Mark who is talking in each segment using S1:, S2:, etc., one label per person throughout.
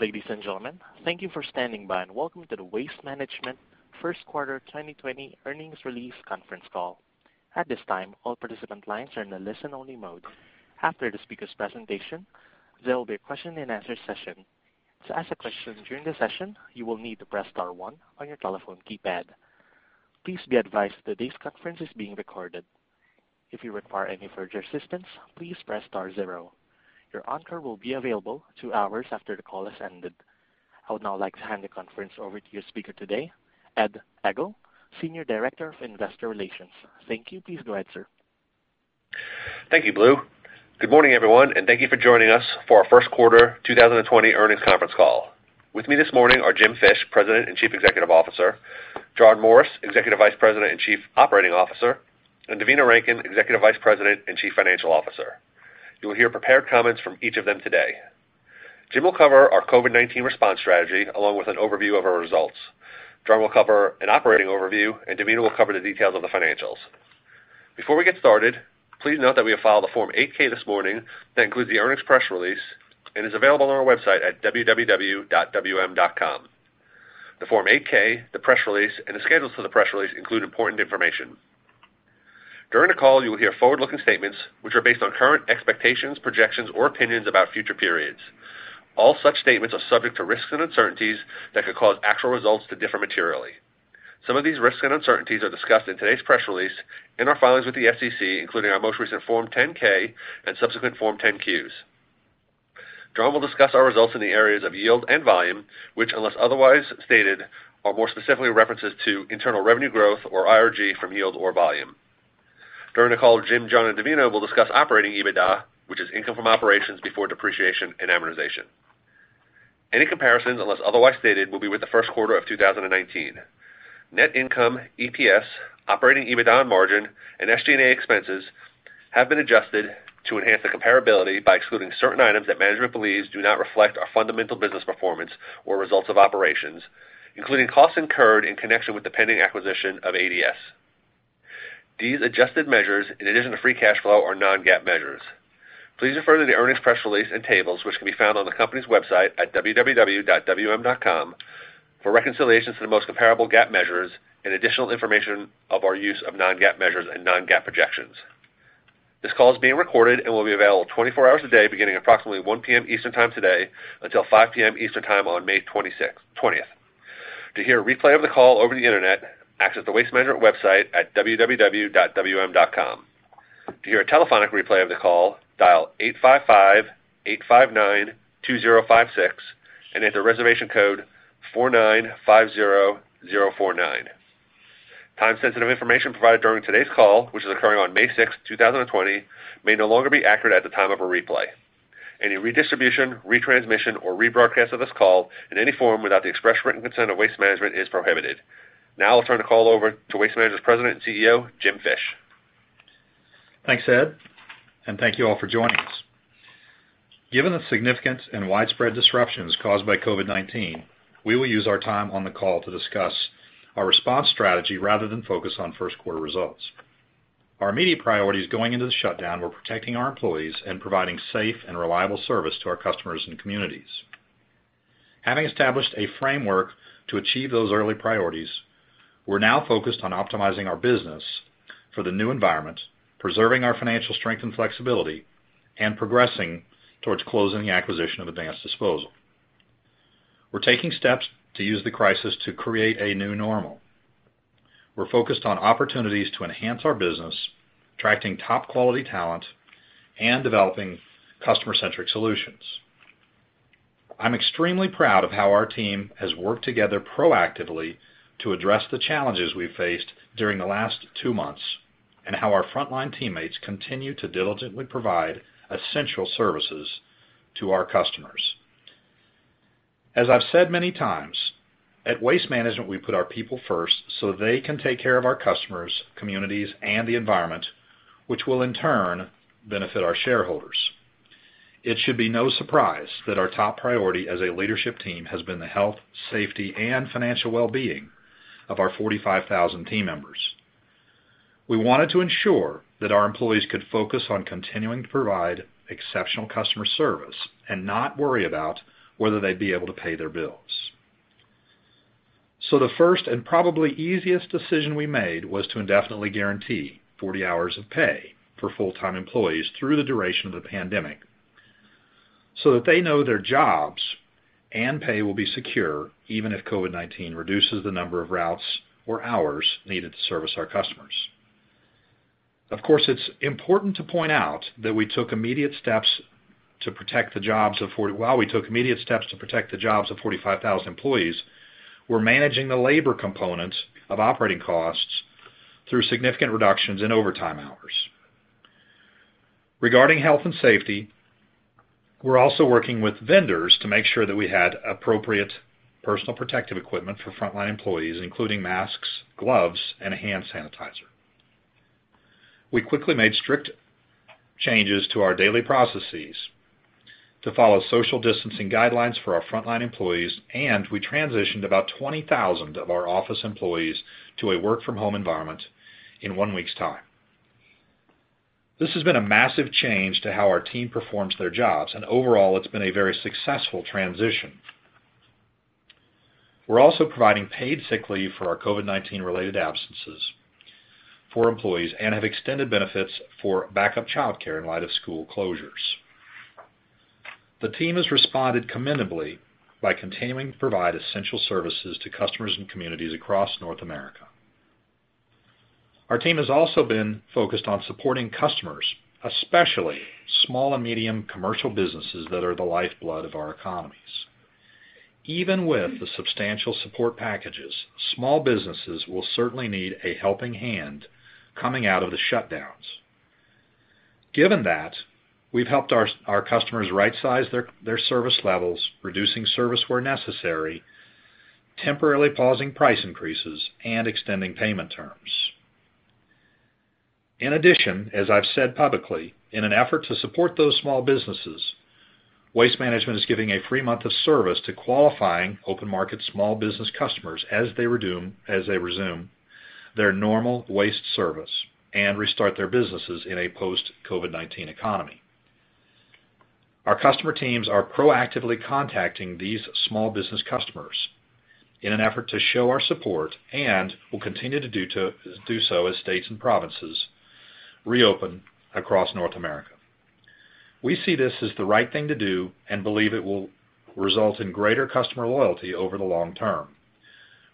S1: Ladies and gentlemen, thank you for standing by and welcome to the Waste Management first quarter 2020 earnings release conference call. At this time, all participant lines are in a listen-only mode. After the speaker's presentation, there will be a question-and-answer session. To ask a question during the session, you will need to press star 1 on your telephone keypad. Please be advised that this conference is being recorded. If you require any further assistance, please press star 0. Your on-call will be available two hours after the call has ended. I would now like to hand the conference over to your speaker today, Ed Egl, Senior Director of Investor Relations. Thank you. Please go ahead, sir.
S2: Thank you, Blue. Good morning, everyone, and thank you for joining us for our first quarter 2020 earnings conference call. With me this morning are Jim Fish, President and Chief Executive Officer, John Morris, Executive Vice President and Chief Operating Officer, and Devina Rankin, Executive Vice President and Chief Financial Officer. You will hear prepared comments from each of them today. Jim will cover our COVID-19 response strategy along with an overview of our results. John will cover an operating overview, and Devina will cover the details on the financials. Before we get started, please note that we have filed a Form 8-K this morning that includes the earnings press release and is available on our website at www.wm.com. The Form 8-K, the press release, and the schedules for the press release include important information. During the call, you will hear forward-looking statements which are based on current expectations, projections, or opinions about future periods. All such statements are subject to risks and uncertainties that could cause actual results to differ materially. Some of these risks and uncertainties are discussed in today's press release in our filings with the SEC, including our most recent Form 10-K and subsequent Form 10-Qs. John will discuss our results in the areas of yield and volume, which, unless otherwise stated, are more specifically references to internal revenue growth or IRG from yield or volume. During the call, Jim, John, and Devina will discuss operating EBITDA, which is income from operations before depreciation and amortization. Any comparisons, unless otherwise stated, will be with the first quarter of 2019. Net income, EPS, operating EBITDA and margin, and SG&A expenses have been adjusted to enhance the comparability by excluding certain items that management believes do not reflect our fundamental business performance or results of operations, including costs incurred in connection with the pending acquisition of ADS. These adjusted measures, in addition to free cash flow, are non-GAAP measures. Please refer to the earnings press release and tables, which can be found on the company's website at www.wm.com for reconciliations to the most comparable GAAP measures and additional information of our use of non-GAAP measures and non-GAAP projections. This call is being recorded and will be available 24 hours a day beginning approximately 1:00 P.M. Eastern time today until 5:00 P.M. Eastern time on May 20th. To hear a replay of the call over the internet, access the Waste Management website at www.wm.com. To hear a telephonic replay of the call, dial 855-859-2056 and enter reservation code 4950049. Time-sensitive information provided during today's call, which is occurring on May 6th, 2020, may no longer be accurate at the time of a replay. Any redistribution, retransmission, or rebroadcast of this call in any form without the express written consent of Waste Management is prohibited. I'll turn the call over to Waste Management's President and CEO, Jim Fish.
S3: Thanks, Ed and thank you all for joining us. Given the significant and widespread disruptions caused by COVID-19, we will use our time on the call to discuss our response strategy rather than focus on first quarter results. Our immediate priorities going into the shutdown were protecting our employees and providing safe and reliable service to our customers and communities. Having established a framework to achieve those early priorities, we're now focused on optimizing our business for the new environment, preserving our financial strength and flexibility, and progressing towards closing the acquisition of Advanced Disposal. We're taking steps to use the crisis to create a new normal. We're focused on opportunities to enhance our business, attracting top quality talent, and developing customer-centric solutions. I'm extremely proud of how our team has worked together proactively to address the challenges we've faced during the last two months and how our frontline teammates continue to diligently provide essential services to our customers. As I've said many times, at Waste Management, we put our people first so they can take care of our customers, communities, and the environment, which will in turn benefit our shareholders. It should be no surprise that our top priority as a leadership team has been the health, safety, and financial well-being of our 45,000 team members. We wanted to ensure that our employees could focus on continuing to provide exceptional customer service and not worry about whether they'd be able to pay their bills. The first and probably easiest decision we made was to indefinitely guarantee 40 hours of pay for full-time employees through the duration of the pandemic so that they know their jobs and pay will be secure even if COVID-19 reduces the number of routes or hours needed to service our customers. Of course, it's important to point out that while we took immediate steps to protect the jobs of 45,000 employees, we're managing the labor component of operating costs through significant reductions in overtime hours. Regarding health and safety, we're also working with vendors to make sure that we had appropriate personal protective equipment for frontline employees, including masks, gloves, and hand sanitizer. We quickly made strict changes to our daily processes to follow social distancing guidelines for our frontline employees, and we transitioned about 20,000 of our office employees to a work-from-home environment in one week's time. This has been a massive change to how our team performs their jobs, and overall it's been a very successful transition. We're also providing paid sick leave for our COVID-19 related absences for employees, and have extended benefits for backup childcare in light of school closures. The team has responded commendably by continuing to provide essential services to customers and communities across North America. Our team has also been focused on supporting customers, especially small and medium commercial businesses that are the lifeblood of our economies. Even with the substantial support packages, small businesses will certainly need a helping hand coming out of the shutdowns. Given that, we've helped our customers rightsize their service levels, reducing service where necessary, temporarily pausing price increases, and extending payment terms. In addition, as I've said publicly, in an effort to support those small businesses, Waste Management is giving a free month of service to qualifying open market small business customers as they resume their normal waste service and restart their businesses in a post-COVID-19 economy. Our customer teams are proactively contacting these small business customers in an effort to show our support, and will continue to do so as states and provinces reopen across North America. We see this as the right thing to do and believe it will result in greater customer loyalty over the long term.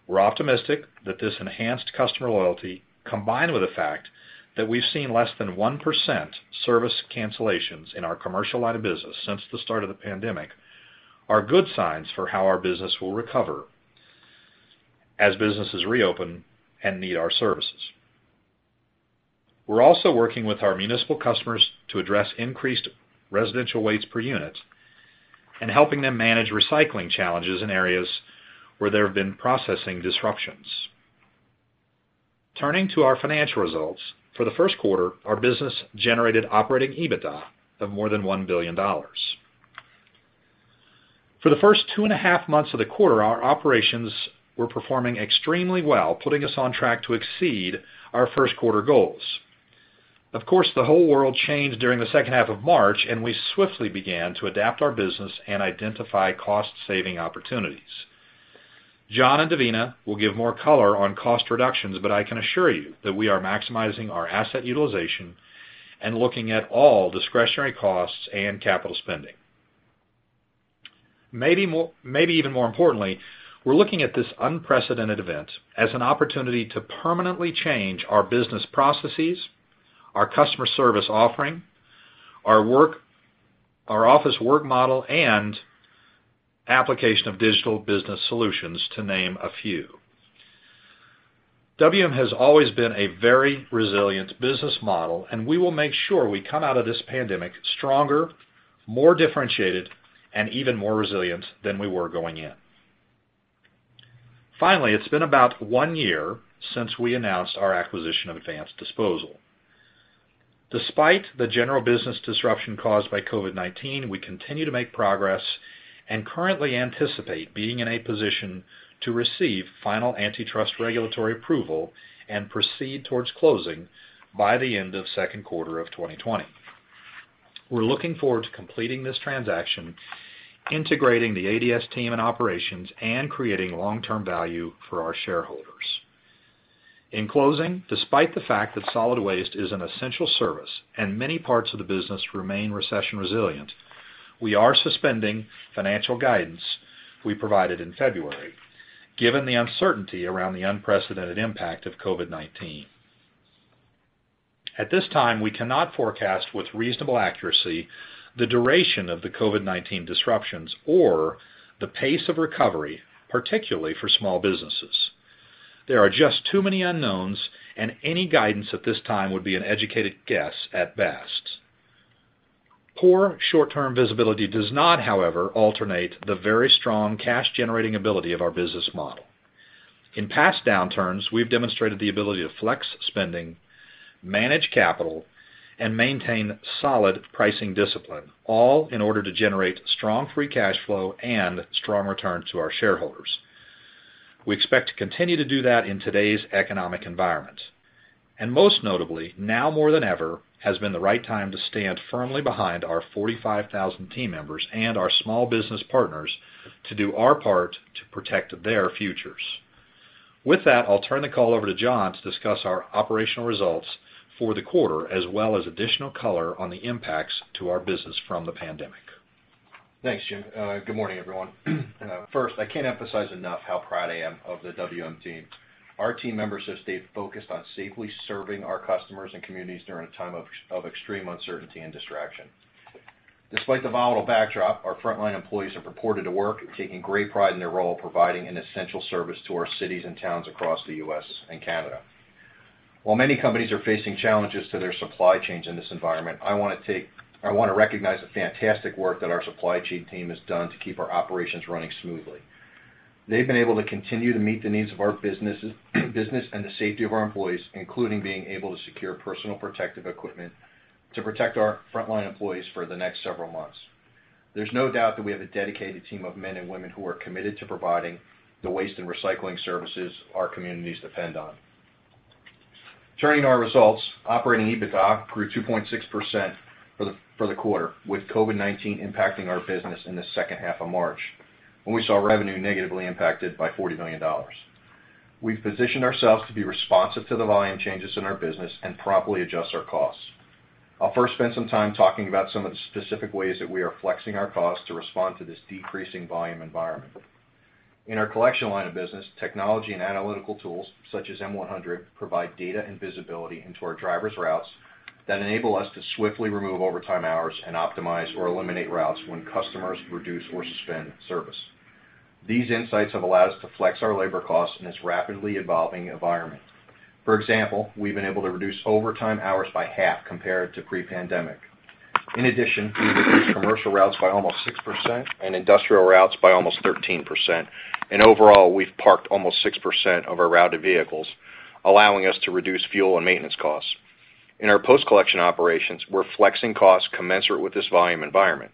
S3: We're optimistic that this enhanced customer loyalty, combined with the fact that we've seen less than 1% service cancellations in our commercial line of business since the start of the pandemic, are good signs for how our business will recover as businesses reopen and need our services. We're also working with our municipal customers to address increased residential waste per unit and helping them manage recycling challenges in areas where there have been processing disruptions. Turning to our financial results, for the first quarter, our business generated operating EBITDA of more than $1 billion. For the first two and a half months of the quarter, our operations were performing extremely well, putting us on track to exceed our first quarter goals. Of course, the whole world changed during the second half of March, and we swiftly began to adapt our business and identify cost saving opportunities. John and Devina will give more color on cost reductions, but I can assure you that we are maximizing our asset utilization and looking at all discretionary costs and capital spending. Maybe even more importantly, we're looking at this unprecedented event as an opportunity to permanently change our business processes, our customer service offering, our office work model, and application of digital business solutions, to name a few. WM has always been a very resilient business model, and we will make sure we come out of this pandemic stronger, more differentiated, and even more resilient than we were going in. Finally, it's been about one year since we announced our acquisition of Advanced Disposal. Despite the general business disruption caused by COVID-19, we continue to make progress and currently anticipate being in a position to receive final antitrust regulatory approval and proceed towards closing by the end of second quarter of 2020. We're looking forward to completing this transaction, integrating the ADS team and operations, and creating long-term value for our shareholders. In closing, despite the fact that solid waste is an essential service and many parts of the business remain recession resilient, we are suspending financial guidance we provided in February, given the uncertainty around the unprecedented impact of COVID-19. At this time, we cannot forecast with reasonable accuracy the duration of the COVID-19 disruptions or the pace of recovery, particularly for small businesses. There are just too many unknowns. Any guidance at this time would be an educated guess at best. Poor short-term visibility does not, however, alter the very strong cash-generating ability of our business model. In past downturns, we've demonstrated the ability to flex spending, manage capital, and maintain solid pricing discipline, all in order to generate strong free cash flow and strong returns to our shareholders. We expect to continue to do that in today's economic environment. Most notably, now more than ever has been the right time to stand firmly behind our 45,000 team members and our small business partners to do our part to protect their futures. With that, I'll turn the call over to John to discuss our operational results for the quarter as well as additional color on the impacts to our business from the pandemic.
S4: Thanks, Jim. Good morning, everyone. First, I can't emphasize enough how proud I am of the WM team. Our team members have stayed focused on safely serving our customers and communities during a time of extreme uncertainty and distraction. Despite the volatile backdrop, our frontline employees have reported to work, taking great pride in their role providing an essential service to our cities and towns across the U.S. and Canada. While many companies are facing challenges to their supply chains in this environment, I want to recognize the fantastic work that our supply chain team has done to keep our operations running smoothly. They've been able to continue to meet the needs of our business and the safety of our employees, including being able to secure personal protective equipment to protect our frontline employees for the next several months. There's no doubt that we have a dedicated team of men and women who are committed to providing the waste and recycling services our communities depend on. Turning to our results, operating EBITDA grew 2.6% for the quarter, with COVID-19 impacting our business in the second half of March, when we saw revenue negatively impacted by $40 million. We've positioned ourselves to be responsive to the volume changes in our business and promptly adjust our costs. I'll first spend some time talking about some of the specific ways that we are flexing our costs to respond to this decreasing volume environment. In our collection line of business, technology and analytical tools such as M100 provide data and visibility into our drivers' routes that enable us to swiftly remove overtime hours and optimize or eliminate routes when customers reduce or suspend service. These insights have allowed us to flex our labor costs in this rapidly evolving environment. For example, we've been able to reduce overtime hours by half compared to pre-pandemic. In addition, we've reduced commercial routes by almost 6% and industrial routes by almost 13%, and overall, we've parked almost 6% of our routed vehicles, allowing us to reduce fuel and maintenance costs. In our post-collection operations, we're flexing costs commensurate with this volume environment.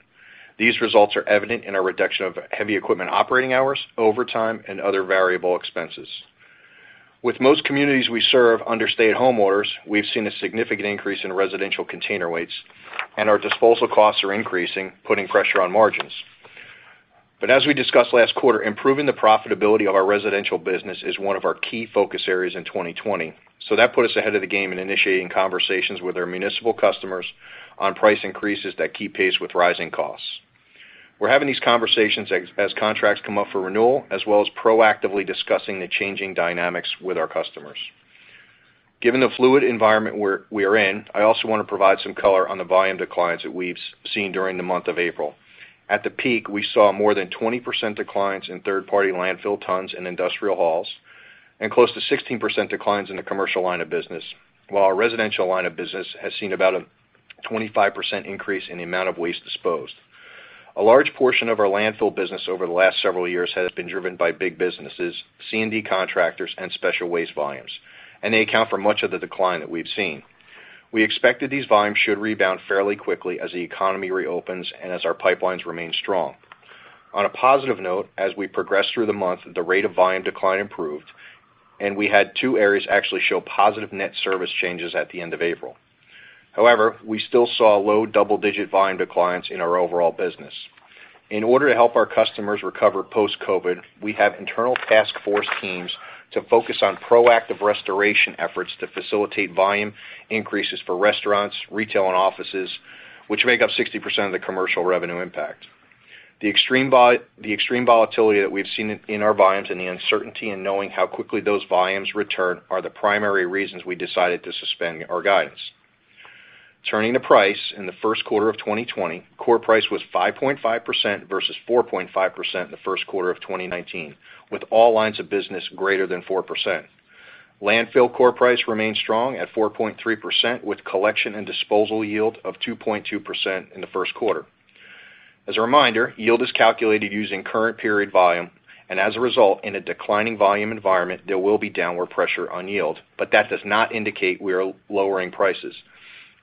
S4: These results are evident in our reduction of heavy equipment operating hours, overtime, and other variable expenses. With most communities we serve under stay-at-home orders, we've seen a significant increase in residential container weights, and our disposal costs are increasing, putting pressure on margins. As we discussed last quarter, improving the profitability of our residential business is one of our key focus areas in 2020, so that put us ahead of the game in initiating conversations with our municipal customers on price increases that keep pace with rising costs. We're having these conversations as contracts come up for renewal, as well as proactively discussing the changing dynamics with our customers. Given the fluid environment we are in, I also want to provide some color on the volume declines that we've seen during the month of April. At the peak, we saw more than 20% declines in third-party landfill tons in industrial hauls and close to 16% declines in the commercial line of business. While our residential line of business has seen about a 25% increase in the amount of waste disposed. A large portion of our landfill business over the last several years has been driven by big businesses, C&D contractors, and special waste volumes, and they account for much of the decline that we've seen. We expect that these volumes should rebound fairly quickly as the economy reopens and as our pipelines remain strong. On a positive note, as we progress through the month, the rate of volume decline improved, and we had two areas actually show positive net service changes at the end of April. However, we still saw low double-digit volume declines in our overall business. In order to help our customers recover post-COVID-19, we have internal task force teams to focus on proactive restoration efforts to facilitate volume increases for restaurants, retail, and offices, which make up 60% of the commercial revenue impact. The extreme volatility that we've seen in our volumes and the uncertainty in knowing how quickly those volumes return are the primary reasons we decided to suspend our guidance. Turning to price in the first quarter of 2020, core price was 5.5% versus 4.5% in the first quarter of 2019, with all lines of business greater than 4%. Landfill core price remained strong at 4.3%, with collection and disposal yield of 2.2% in the first quarter. As a reminder, yield is calculated using current period volume, and as a result, in a declining volume environment, there will be downward pressure on yield, but that does not indicate we are lowering prices.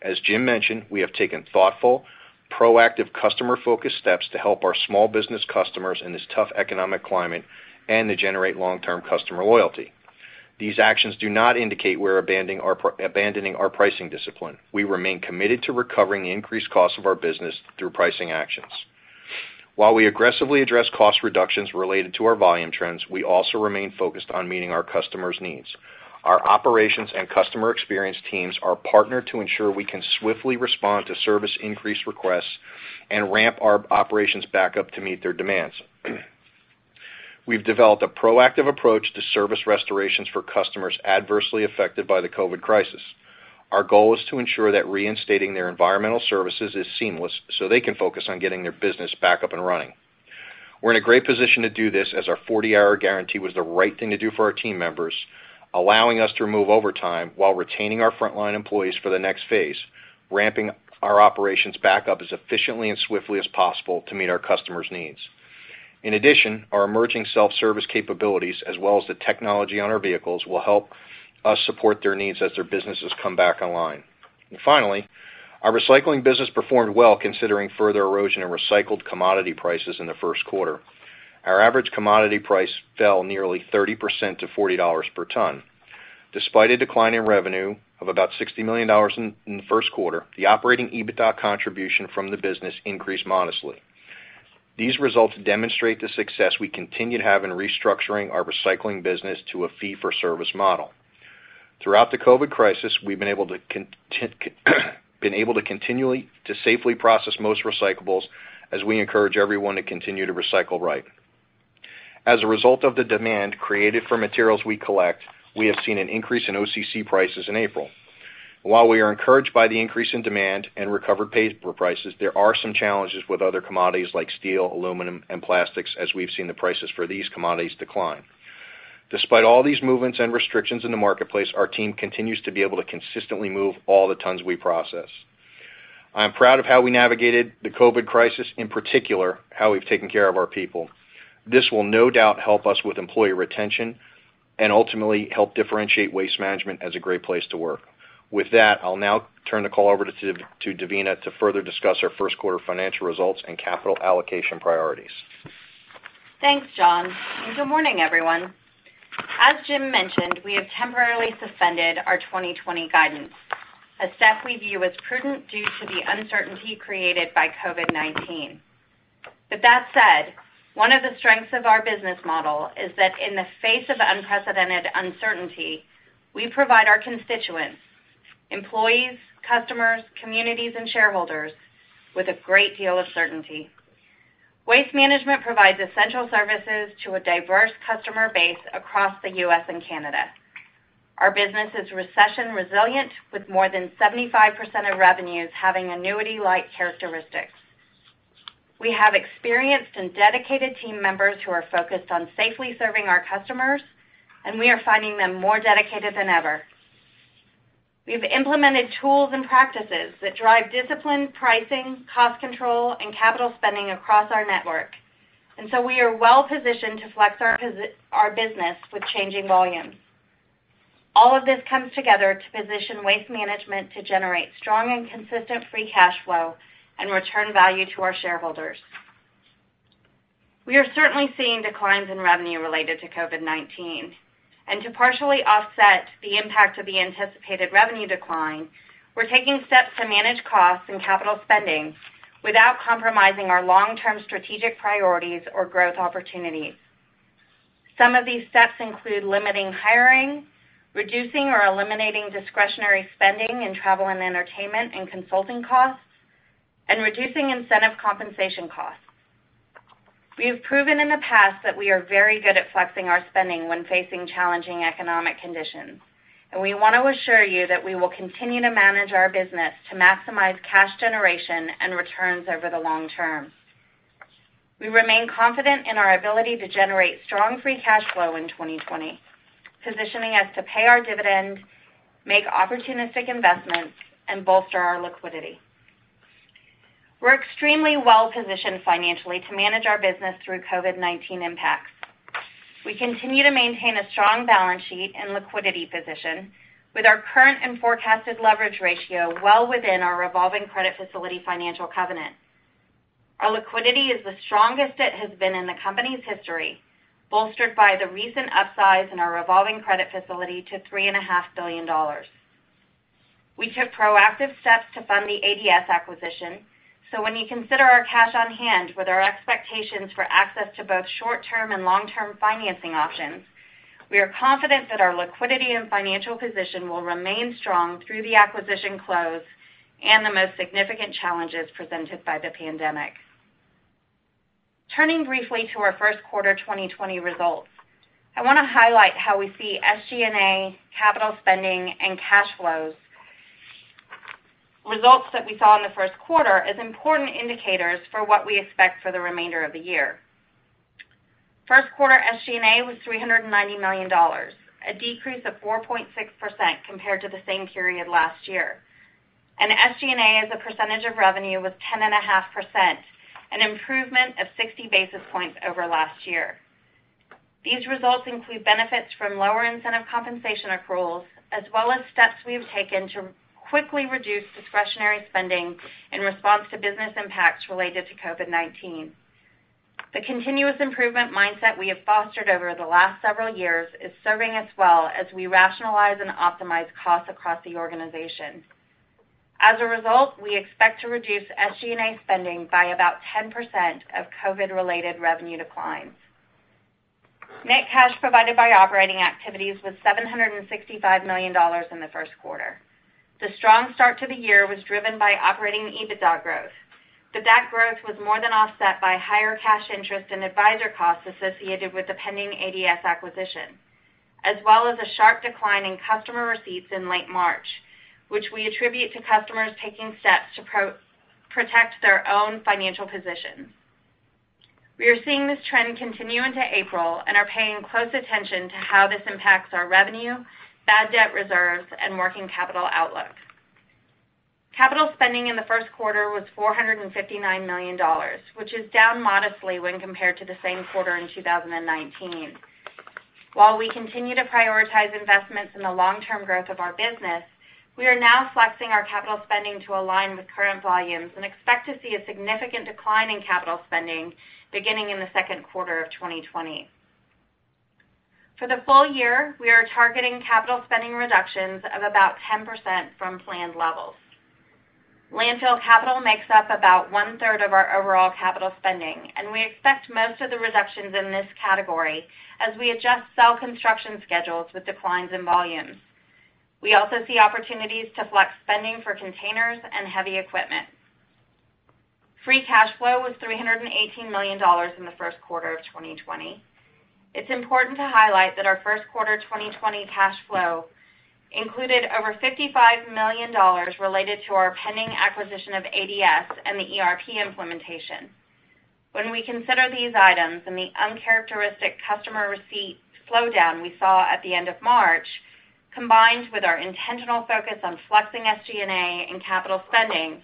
S4: As Jim mentioned, we have taken thoughtful, proactive, customer-focused steps to help our small business customers in this tough economic climate and to generate long-term customer loyalty. These actions do not indicate we're abandoning our pricing discipline. We remain committed to recovering the increased costs of our business through pricing actions. While we aggressively address cost reductions related to our volume trends, we also remain focused on meeting our customers' needs. Our operations and customer experience teams are partnered to ensure we can swiftly respond to service increase requests and ramp our operations back up to meet their demands. We've developed a proactive approach to service restorations for customers adversely affected by the COVID crisis. Our goal is to ensure that reinstating their environmental services is seamless, so they can focus on getting their business back up and running. We're in a great position to do this, as our 40-hour guarantee was the right thing to do for our team members, allowing us to remove overtime while retaining our frontline employees for the next phase, ramping our operations back up as efficiently and swiftly as possible to meet our customers' needs. In addition, our emerging self-service capabilities, as well as the technology on our vehicles, will help us support their needs as their businesses come back online. Finally, our recycling business performed well considering further erosion in recycled commodity prices in the first quarter. Our average commodity price fell nearly 30% to $40 per ton. Despite a decline in revenue of about $60 million in the first quarter, the operating EBITDA contribution from the business increased modestly. These results demonstrate the success we continue to have in restructuring our recycling business to a fee-for-service model. Throughout the COVID-19 crisis, we've been able to continually to safely process most recyclables as we encourage everyone to continue to recycle right. As a result of the demand created for materials we collect, we have seen an increase in OCC prices in April. While we are encouraged by the increase in demand and recovered paper prices, there are some challenges with other commodities like steel, aluminum, and plastics, as we've seen the prices for these commodities decline. Despite all these movements and restrictions in the marketplace, our team continues to be able to consistently move all the tons we process. I am proud of how we navigated the COVID-19 crisis, in particular, how we've taken care of our people. This will no doubt help us with employee retention. Ultimately help differentiate Waste Management as a great place to work. With that, I'll now turn the call over to Devina to further discuss our first quarter financial results and capital allocation priorities.
S5: Thanks, John, and good morning, everyone. As Jim mentioned, we have temporarily suspended our 2020 guidance, a step we view as prudent due to the uncertainty created by COVID-19. With that said, one of the strengths of our business model is that in the face of unprecedented uncertainty, we provide our constituents, employees, customers, communities, and shareholders with a great deal of certainty. Waste Management provides essential services to a diverse customer base across the U.S. and Canada. Our business is recession resilient with more than 75% of revenues having annuity-like characteristics. We have experienced and dedicated team members who are focused on safely serving our customers, and we are finding them more dedicated than ever. We have implemented tools and practices that drive disciplined pricing, cost control, and capital spending across our network. We are well-positioned to flex our business with changing volumes. All of this comes together to position Waste Management to generate strong and consistent free cash flow and return value to our shareholders. We are certainly seeing declines in revenue related to COVID-19, and to partially offset the impact of the anticipated revenue decline, we're taking steps to manage costs and capital spending without compromising our long-term strategic priorities or growth opportunities. Some of these steps include limiting hiring, reducing or eliminating discretionary spending in travel and entertainment and consulting costs, and reducing incentive compensation costs. We have proven in the past that we are very good at flexing our spending when facing challenging economic conditions, and we want to assure you that we will continue to manage our business to maximize cash generation and returns over the long term. We remain confident in our ability to generate strong free cash flow in 2020, positioning us to pay our dividend, make opportunistic investments, and bolster our liquidity. We're extremely well-positioned financially to manage our business through COVID-19 impacts. We continue to maintain a strong balance sheet and liquidity position with our current and forecasted leverage ratio well within our revolving credit facility financial covenant. Our liquidity is the strongest it has been in the company's history, bolstered by the recent upsize in our revolving credit facility to $3.5 billion. We took proactive steps to fund the ADS acquisition, so when you consider our cash on hand with our expectations for access to both short-term and long-term financing options, we are confident that our liquidity and financial position will remain strong through the acquisition close and the most significant challenges presented by the pandemic. Turning briefly to our first quarter 2020 results, I want to highlight how we see SG&A, capital spending, and cash flows results that we saw in the first quarter as important indicators for what we expect for the remainder of the year. First quarter SG&A was $390 million, a decrease of 4.6% compared to the same period last year. SG&A as a percentage of revenue was 10.5%, an improvement of 60 basis points over last year. These results include benefits from lower incentive compensation accruals, as well as steps we have taken to quickly reduce discretionary spending in response to business impacts related to COVID-19. The continuous improvement mindset we have fostered over the last several years is serving us well as we rationalize and optimize costs across the organization. As a result, we expect to reduce SG&A spending by about 10% of COVID-related revenue declines. Net cash provided by operating activities was $765 million in the first quarter. The strong start to the year was driven by operating EBITDA growth. That growth was more than offset by higher cash interest and advisor costs associated with the pending ADS acquisition, as well as a sharp decline in customer receipts in late March, which we attribute to customers taking steps to protect their own financial positions. We are seeing this trend continue into April and are paying close attention to how this impacts our revenue, bad debt reserves, and working capital outlook. Capital spending in the first quarter was $459 million, which is down modestly when compared to the same quarter in 2019. While we continue to prioritize investments in the long-term growth of our business, we are now flexing our capital spending to align with current volumes and expect to see a significant decline in capital spending beginning in the second quarter of 2020. For the full year, we are targeting capital spending reductions of about 10% from planned levels. Landfill capital makes up about one-third of our overall capital spending, and we expect most of the reductions in this category as we adjust cell construction schedules with declines in volumes. We also see opportunities to flex spending for containers and heavy equipment. Free cash flow was $318 million in the first quarter of 2020. It's important to highlight that our first quarter 2020 cash flow included over $55 million related to our pending acquisition of ADS and the ERP implementation. When we consider these items and the uncharacteristic customer receipt slowdown we saw at the end of March, combined with our intentional focus on flexing SG&A and capital spending,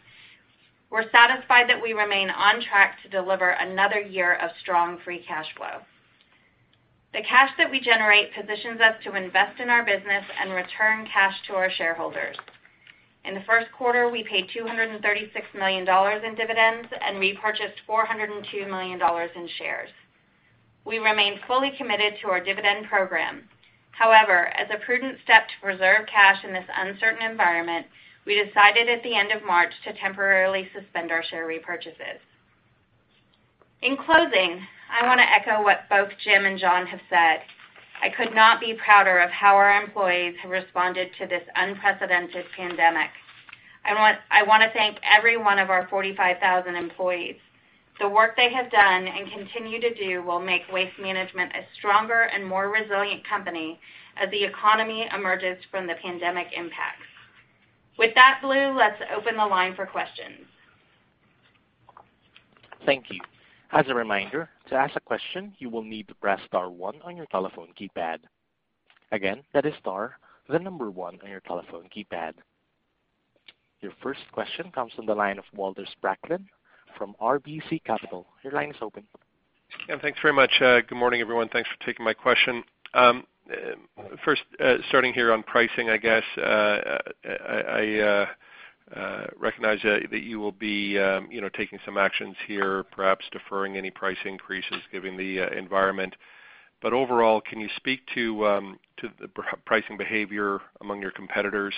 S5: we're satisfied that we remain on track to deliver another year of strong free cash flow. The cash that we generate positions us to invest in our business and return cash to our shareholders. In the first quarter, we paid $236 million in dividends and repurchased $402 million in shares. We remain fully committed to our dividend program. As a prudent step to preserve cash in this uncertain environment, we decided at the end of March to temporarily suspend our share repurchases. In closing, I want to echo what both Jim and John have said. I could not be prouder of how our employees have responded to this unprecedented pandemic. I want to thank every one of our 45,000 employees. The work they have done and continue to do will make Waste Management a stronger and more resilient company as the economy emerges from the pandemic impacts. With that, Blue, let's open the line for questions.
S1: Thank you. As a reminder, to ask a question, you will need to press star one on your telephone keypad. Again, that is star the number one on your telephone keypad. Your first question comes from the line of Walter Spracklin from RBC Capital. Your line is open.
S6: Jim, thanks very much. Good morning, everyone. Thanks for taking my question. First, starting here on pricing, I recognize that you will be taking some actions here, perhaps deferring any price increases given the environment. Overall, can you speak to the pricing behavior among your competitors,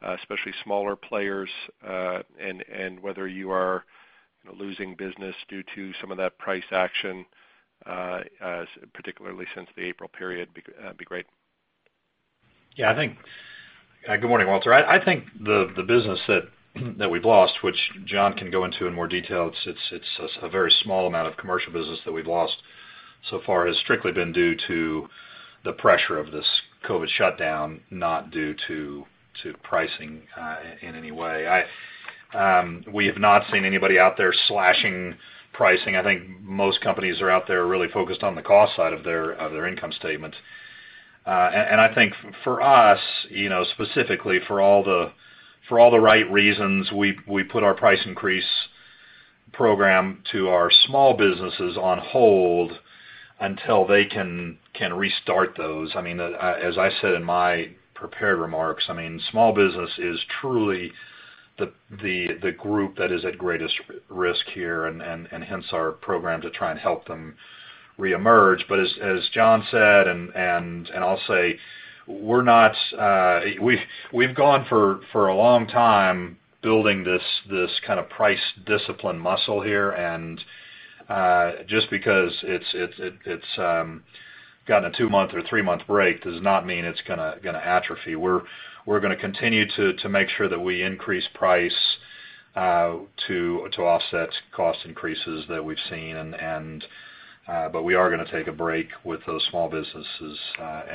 S6: especially smaller players, and whether you are losing business due to some of that price action, particularly since the April period, that'd be great?
S3: Good morning, Walter. I think the business that we've lost, which John can go into in more detail, it's a very small amount of commercial business that we've lost so far has strictly been due to the pressure of this COVID-19 shutdown, not due to pricing in any way. We have not seen anybody out there slashing pricing. I think most companies are out there really focused on the cost side of their income statement. I think for us, specifically for all the right reasons, we put our price increase program to our small businesses on hold until they can restart those. As I said in my prepared remarks, small business is truly the group that is at greatest risk here, and hence our program to try and help them re-emerge. As John said, and I'll say, we've gone for a long time building this kind of price discipline muscle here, and just because it's gotten a two-month or three-month break does not mean it's going to atrophy. We're going to continue to make sure that we increase price to offset cost increases that we've seen, but we are going to take a break with those small businesses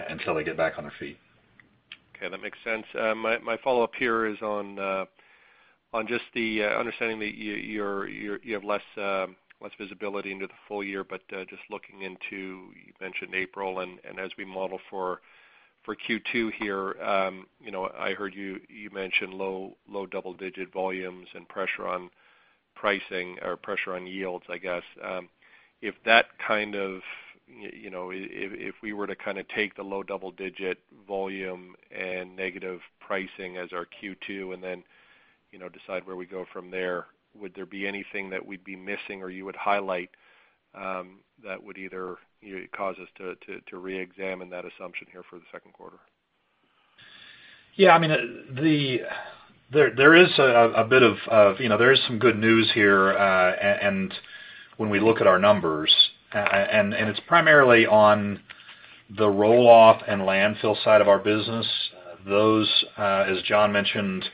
S3: until they get back on their feet.
S6: Okay. That makes sense. My follow-up here is on just the understanding that you have less visibility into the full year, but just looking into, you mentioned April, and as we model for Q2 here, I heard you mention low double-digit volumes and pressure on pricing or pressure on yields, I guess. If we were to take the low double-digit volume and negative pricing as our Q2 and then decide where we go from there, would there be anything that we'd be missing or you would highlight that would either cause us to reexamine that assumption here for the second quarter?
S3: There is some good news here when we look at our numbers, and it's primarily on the roll-off and landfill side of our business. Those, as John mentioned,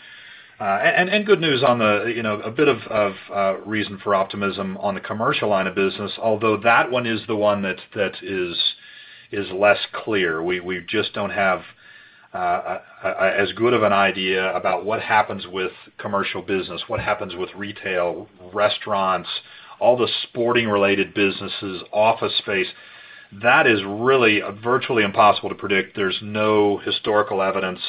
S3: and good news, a bit of reason for optimism on the commercial line of business, although that one is the one that is less clear. We just don't have as good of an idea about what happens with commercial business, what happens with retail, restaurants, all the sporting-related businesses, office space. That is really virtually impossible to predict. There's no historical evidence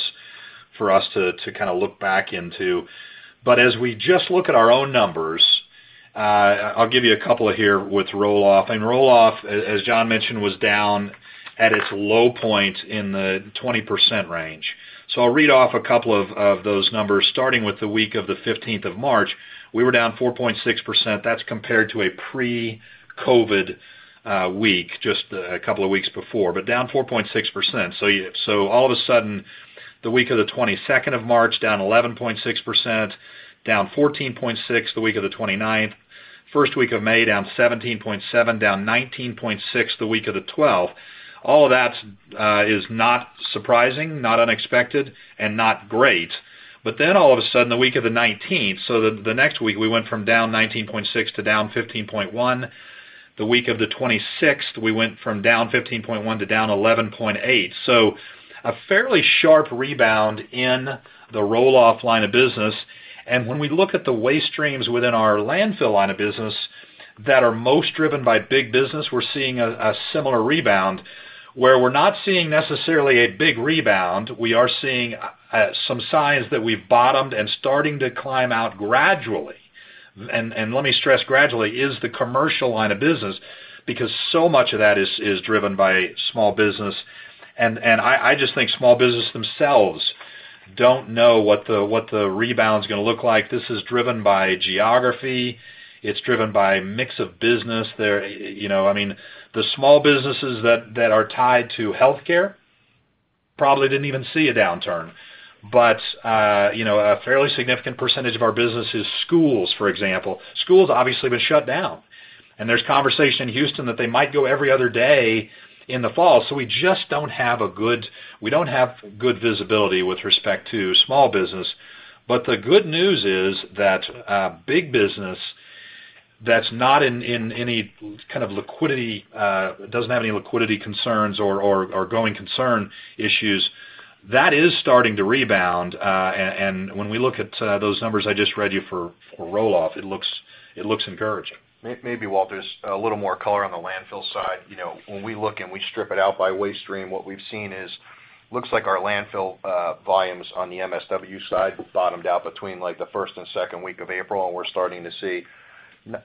S3: for us to look back into. As we just look at our own numbers, I'll give you a couple here with roll-off. Roll-off, as John mentioned, was down at its low point in the 20% range. I'll read off a couple of those numbers starting with the week of the 15th of March. We were down 4.6%. That's compared to a pre-COVID-19 week just a couple of weeks before, down 4.6%. All of a sudden, the week of the 22nd of March, down 11.6%, down 14.6% the week of the 29th. First week of May, down 17.7%, down 19.6% the week of the 12th. All of that is not surprising, not unexpected, and not great. All of a sudden, the week of the 19th, the next week, we went from down 19.6% to down 15.1%. The week of the 26th, we went from down 15.1% to down 11.8%. A fairly sharp rebound in the roll-off line of business. When we look at the waste streams within our landfill line of business that are most driven by big business, we're seeing a similar rebound. Where we're not seeing necessarily a big rebound, we are seeing some signs that we've bottomed and starting to climb out gradually, and let me stress gradually, is the commercial line of business, because so much of that is driven by small business. I just think small business themselves don't know what the rebound's going to look like. This is driven by geography. It's driven by mix of business. The small businesses that are tied to healthcare probably didn't even see a downturn. A fairly significant percentage of our business is schools, for example. Schools obviously have been shut down, and there's conversation in Houston that they might go every other day in the fall. We just don't have good visibility with respect to small business. The good news is that big business that's not in any kind of liquidity, doesn't have any liquidity concerns or growing concern issues, that is starting to rebound. When we look at those numbers I just read you for roll-off, it looks encouraging.
S4: Maybe, Walter, just a little more color on the landfill side. When we look and we strip it out by waste stream, what we've seen is, looks like our landfill volumes on the MSW side bottomed out between like the first and second week of April, we're starting to see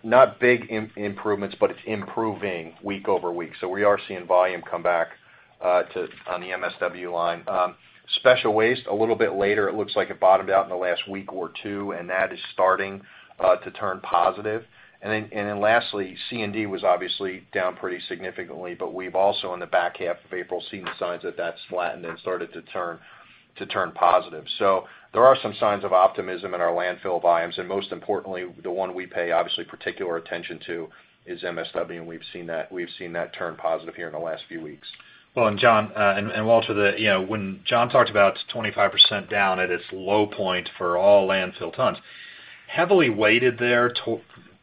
S4: not big improvements, but it's improving week over week. We are seeing volume come back on the MSW line. Special waste, a little bit later. It looks like it bottomed out in the last week or two, that is starting to turn positive. Lastly, C&D was obviously down pretty significantly, but we've also, in the back half of April, seen signs that that's flattened and started to turn positive. There are some signs of optimism in our landfill volumes, and most importantly, the one we pay obviously particular attention to is MSW, and we've seen that turn positive here in the last few weeks.
S3: Well, John, and Walter, when John talked about 25% down at its low point for all landfill tons, heavily weighted there.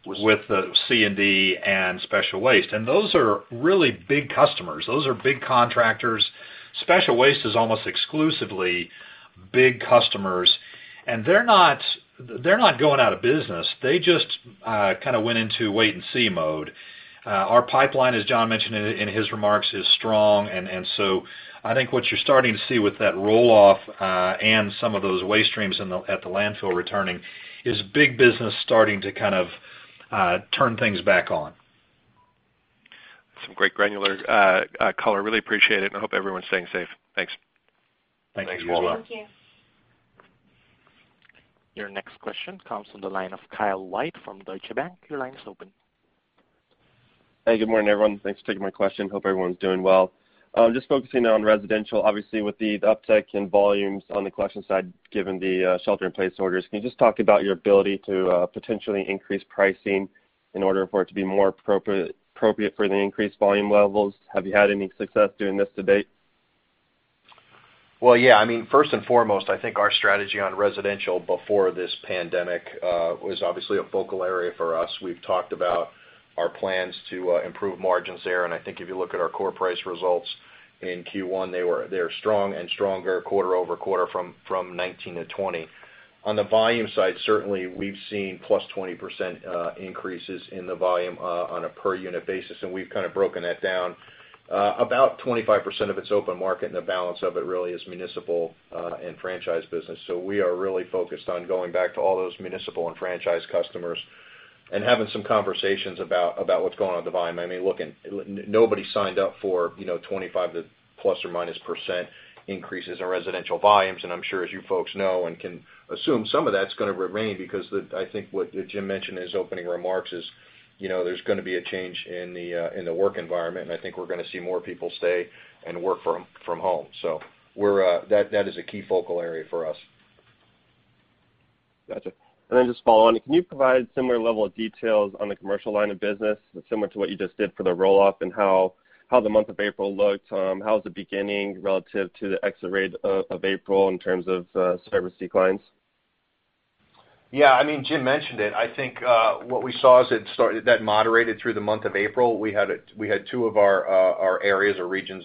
S3: With the C&D and special waste, and those are really big customers. Those are big contractors. Special waste is almost exclusively big customers, and they're not going out of business. They just kind of went into wait-and-see mode. Our pipeline, as John mentioned in his remarks, is strong. I think what you're starting to see with that roll-off, and some of those waste streams at the landfill returning, is big business starting to kind of turn things back on.
S6: Some great granular color. Really appreciate it, and I hope everyone's staying safe. Thanks.
S3: Thanks, Walter.
S4: Thanks, Walter.
S5: Thank you.
S1: Your next question comes from the line of Kyle White from Deutsche Bank. Your line is open.
S7: Hey, good morning, everyone. Thanks for taking my question. Hope everyone's doing well. Just focusing on residential, obviously with the uptick in volumes on the collection side, given the shelter-in-place orders, can you just talk about your ability to potentially increase pricing in order for it to be more appropriate for the increased volume levels? Have you had any success doing this to date?
S4: First and foremost, I think our strategy on residential before this pandemic was obviously a focal area for us. We've talked about our plans to improve margins there. I think if you look at our core price results in Q1, they are strong and stronger quarter-over-quarter from 2019 to 2020. On the volume side, certainly we've seen plus 20% increases in the volume on a per unit basis. We've kind of broken that down. About 25% of it's open market, and the balance of it really is municipal and franchise business. We are really focused on going back to all those municipal and franchise customers and having some conversations about what's going on with volume. I mean, look, nobody signed up for 25% to ± increases in residential volumes. I'm sure, as you folks know and can assume, some of that's going to remain because I think what Jim mentioned in his opening remarks is there's going to be a change in the work environment, and I think we're going to see more people stay and work from home. That is a key focal area for us.
S7: Gotcha. Just following on, can you provide similar level of details on the commercial line of business similar to what you just did for the roll-off and how the month of April looked? How's it beginning relative to the exit rate of April in terms of service declines?
S4: Yeah. Jim mentioned it. I think what we saw is that moderated through the month of April. We had two of our areas or regions,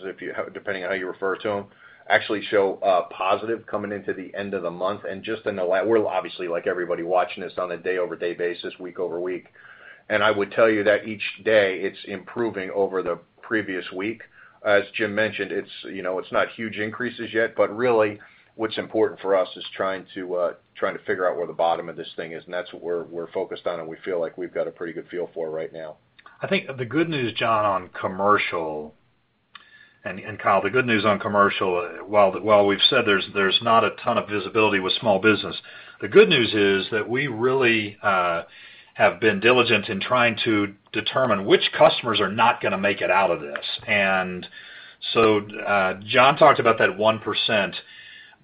S4: depending on how you refer to them, actually show positive coming into the end of the month. We're obviously, like everybody, watching this on a day-over-day basis, week over week, and I would tell you that each day, it's improving over the previous week. As Jim mentioned, it's not huge increases yet, but really what's important for us is trying to figure out where the bottom of this thing is, and that's what we're focused on, and we feel like we've got a pretty good feel for right now.
S3: I think the good news, John, on commercial, and Kyle, the good news on commercial, while we've said there's not a ton of visibility with small business, the good news is that we really have been diligent in trying to determine which customers are not going to make it out of this. John talked about that 1%.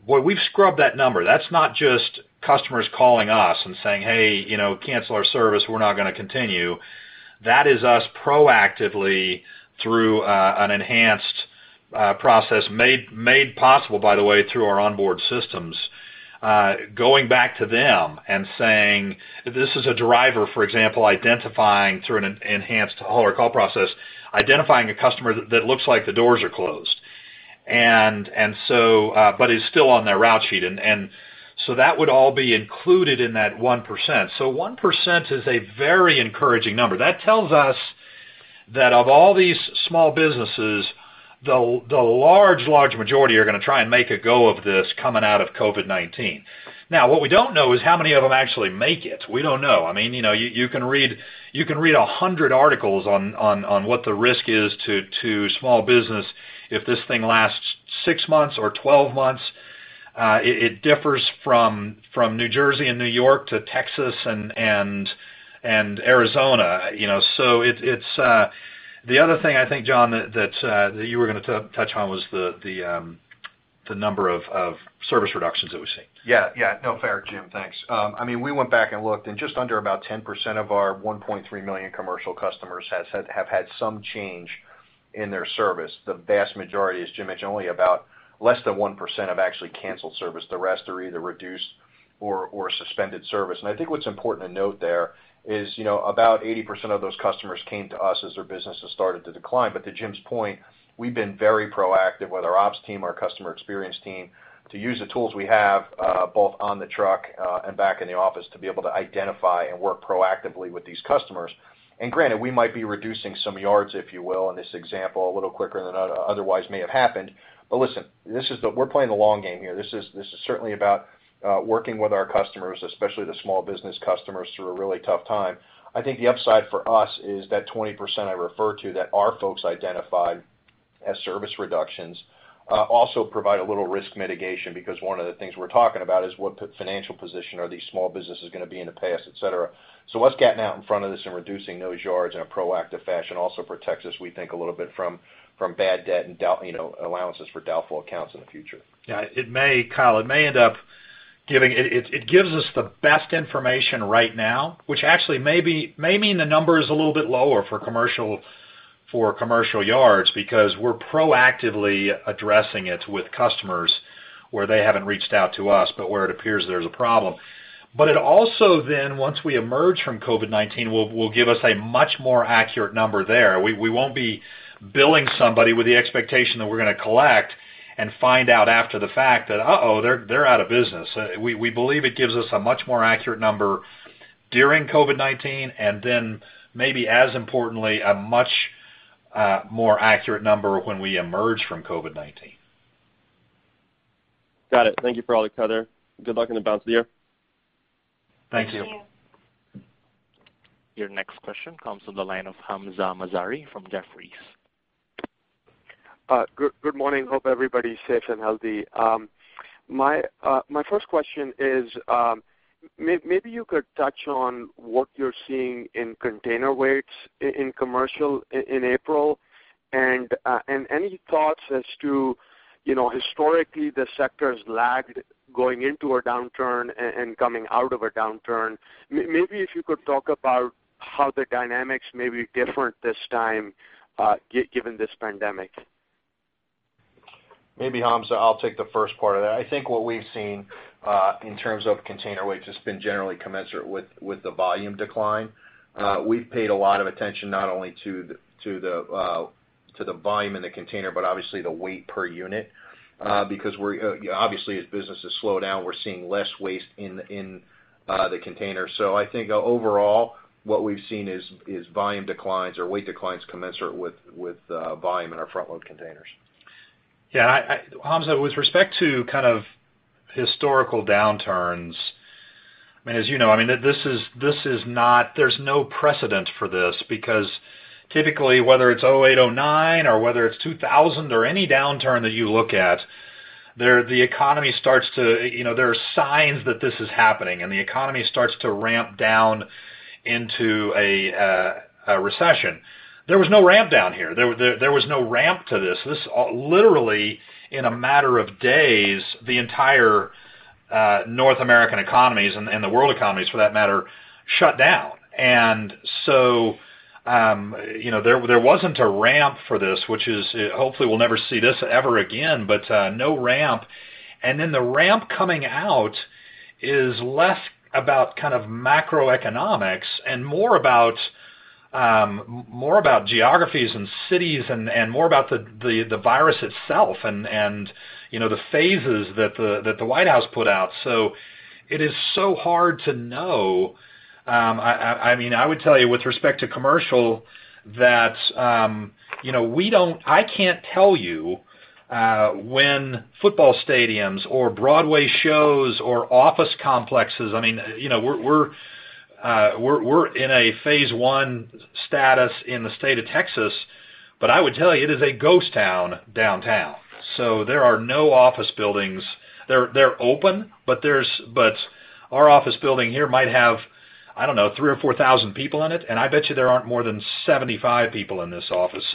S3: Boy, we've scrubbed that number. That's not just customers calling us and saying, "Hey, cancel our service. We're not going to continue." That is us proactively, through an enhanced process, made possible, by the way, through our onboard systems, going back to them and saying This is a driver, for example, identifying through an enhanced hauler call process, identifying a customer that looks like the doors are closed. But is still on their route sheet. That would all be included in that 1%. 1% is a very encouraging number. That tells us that of all these small businesses, the large majority are going to try and make a go of this coming out of COVID-19. What we don't know is how many of them actually make it. We don't know. You can read 100 articles on what the risk is to small business if this thing lasts six months or 12 months. It differs from New Jersey and New York to Texas and Arizona. The other thing I think, John, that you were going to touch on was the number of service reductions that we've seen.
S4: Yeah. No, fair, Jim. Thanks. Just under about 10% of our 1.3 million commercial customers have had some change in their service. The vast majority, as Jim mentioned, only about less than 1% have actually canceled service. The rest are either reduced or suspended service. I think what's important to note there is about 80% of those customers came to us as their businesses started to decline. To Jim's point, we've been very proactive with our ops team, our customer experience team, to use the tools we have, both on the truck and back in the office, to be able to identify and work proactively with these customers. Granted, we might be reducing some yards, if you will, in this example, a little quicker than otherwise may have happened. Listen, we're playing the long game here. This is certainly about working with our customers, especially the small business customers, through a really tough time. I think the upside for us is that 20% I referred to that our folks identified as service reductions also provide a little risk mitigation because one of the things we're talking about is what financial position are these small businesses going to be in the past, et cetera. Us getting out in front of this and reducing those yards in a proactive fashion also protects us, we think, a little bit from bad debt and allowances for doubtful accounts in the future.
S3: Yeah. Kyle, it gives us the best information right now, which actually may mean the number is a little bit lower for commercial yards because we're proactively addressing it with customers where they haven't reached out to us, but where it appears there's a problem. It also then, once we emerge from COVID-19, will give us a much more accurate number there. We won't be billing somebody with the expectation that we're going to collect and find out after the fact that, uh-oh, they're out of business. We believe it gives us a much more accurate number during COVID-19, and then maybe as importantly, a much more accurate number when we emerge from COVID-19.
S7: Got it. Thank you for all the color. Good luck in the balance of the year.
S3: Thank you.
S5: Thank you.
S1: Your next question comes from the line of Hamzah Mazari from Jefferies.
S8: Good morning. Hope everybody's safe and healthy. My first question is maybe you could touch on what you're seeing in container weights in commercial in April, and any thoughts as to historically the sector's lagged going into a downturn and coming out of a downturn. Maybe if you could talk about how the dynamics may be different this time given this pandemic.
S4: Maybe Hamzah, I'll take the first part of that. I think what we've seen in terms of container weights has been generally commensurate with the volume decline. We've paid a lot of attention not only to the volume in the container, but obviously the weight per unit. Obviously as businesses slow down, we're seeing less waste in the container. I think overall what we've seen is volume declines or weight declines commensurate with volume in our front load containers.
S3: Yeah. Hamzah, with respect to historical downturns, as you know, there's no precedent for this because typically, whether it's 2008, 2009, or whether it's 2000 or any downturn that you look at, there are signs that this is happening and the economy starts to ramp down into a recession. There was no ramp down here. There was no ramp to this. Literally in a matter of days, the entire North American economies and the world economies for that matter, shut down. There wasn't a ramp for this, which is hopefully we'll never see this ever again, but no ramp. The ramp coming out is less about macroeconomics and more about geographies and cities and more about the virus itself and the phases that the White House put out. It is so hard to know. I would tell you with respect to commercial that I can't tell you when football stadiums or Broadway shows or office complexes, we're in a phase 1 status in the state of Texas, but I would tell you it is a ghost town downtown. There are no office buildings. They're open, but our office building here might have, I don't know, 3,000 or 4,000 people in it, and I bet you there aren't more than 75 people in this office.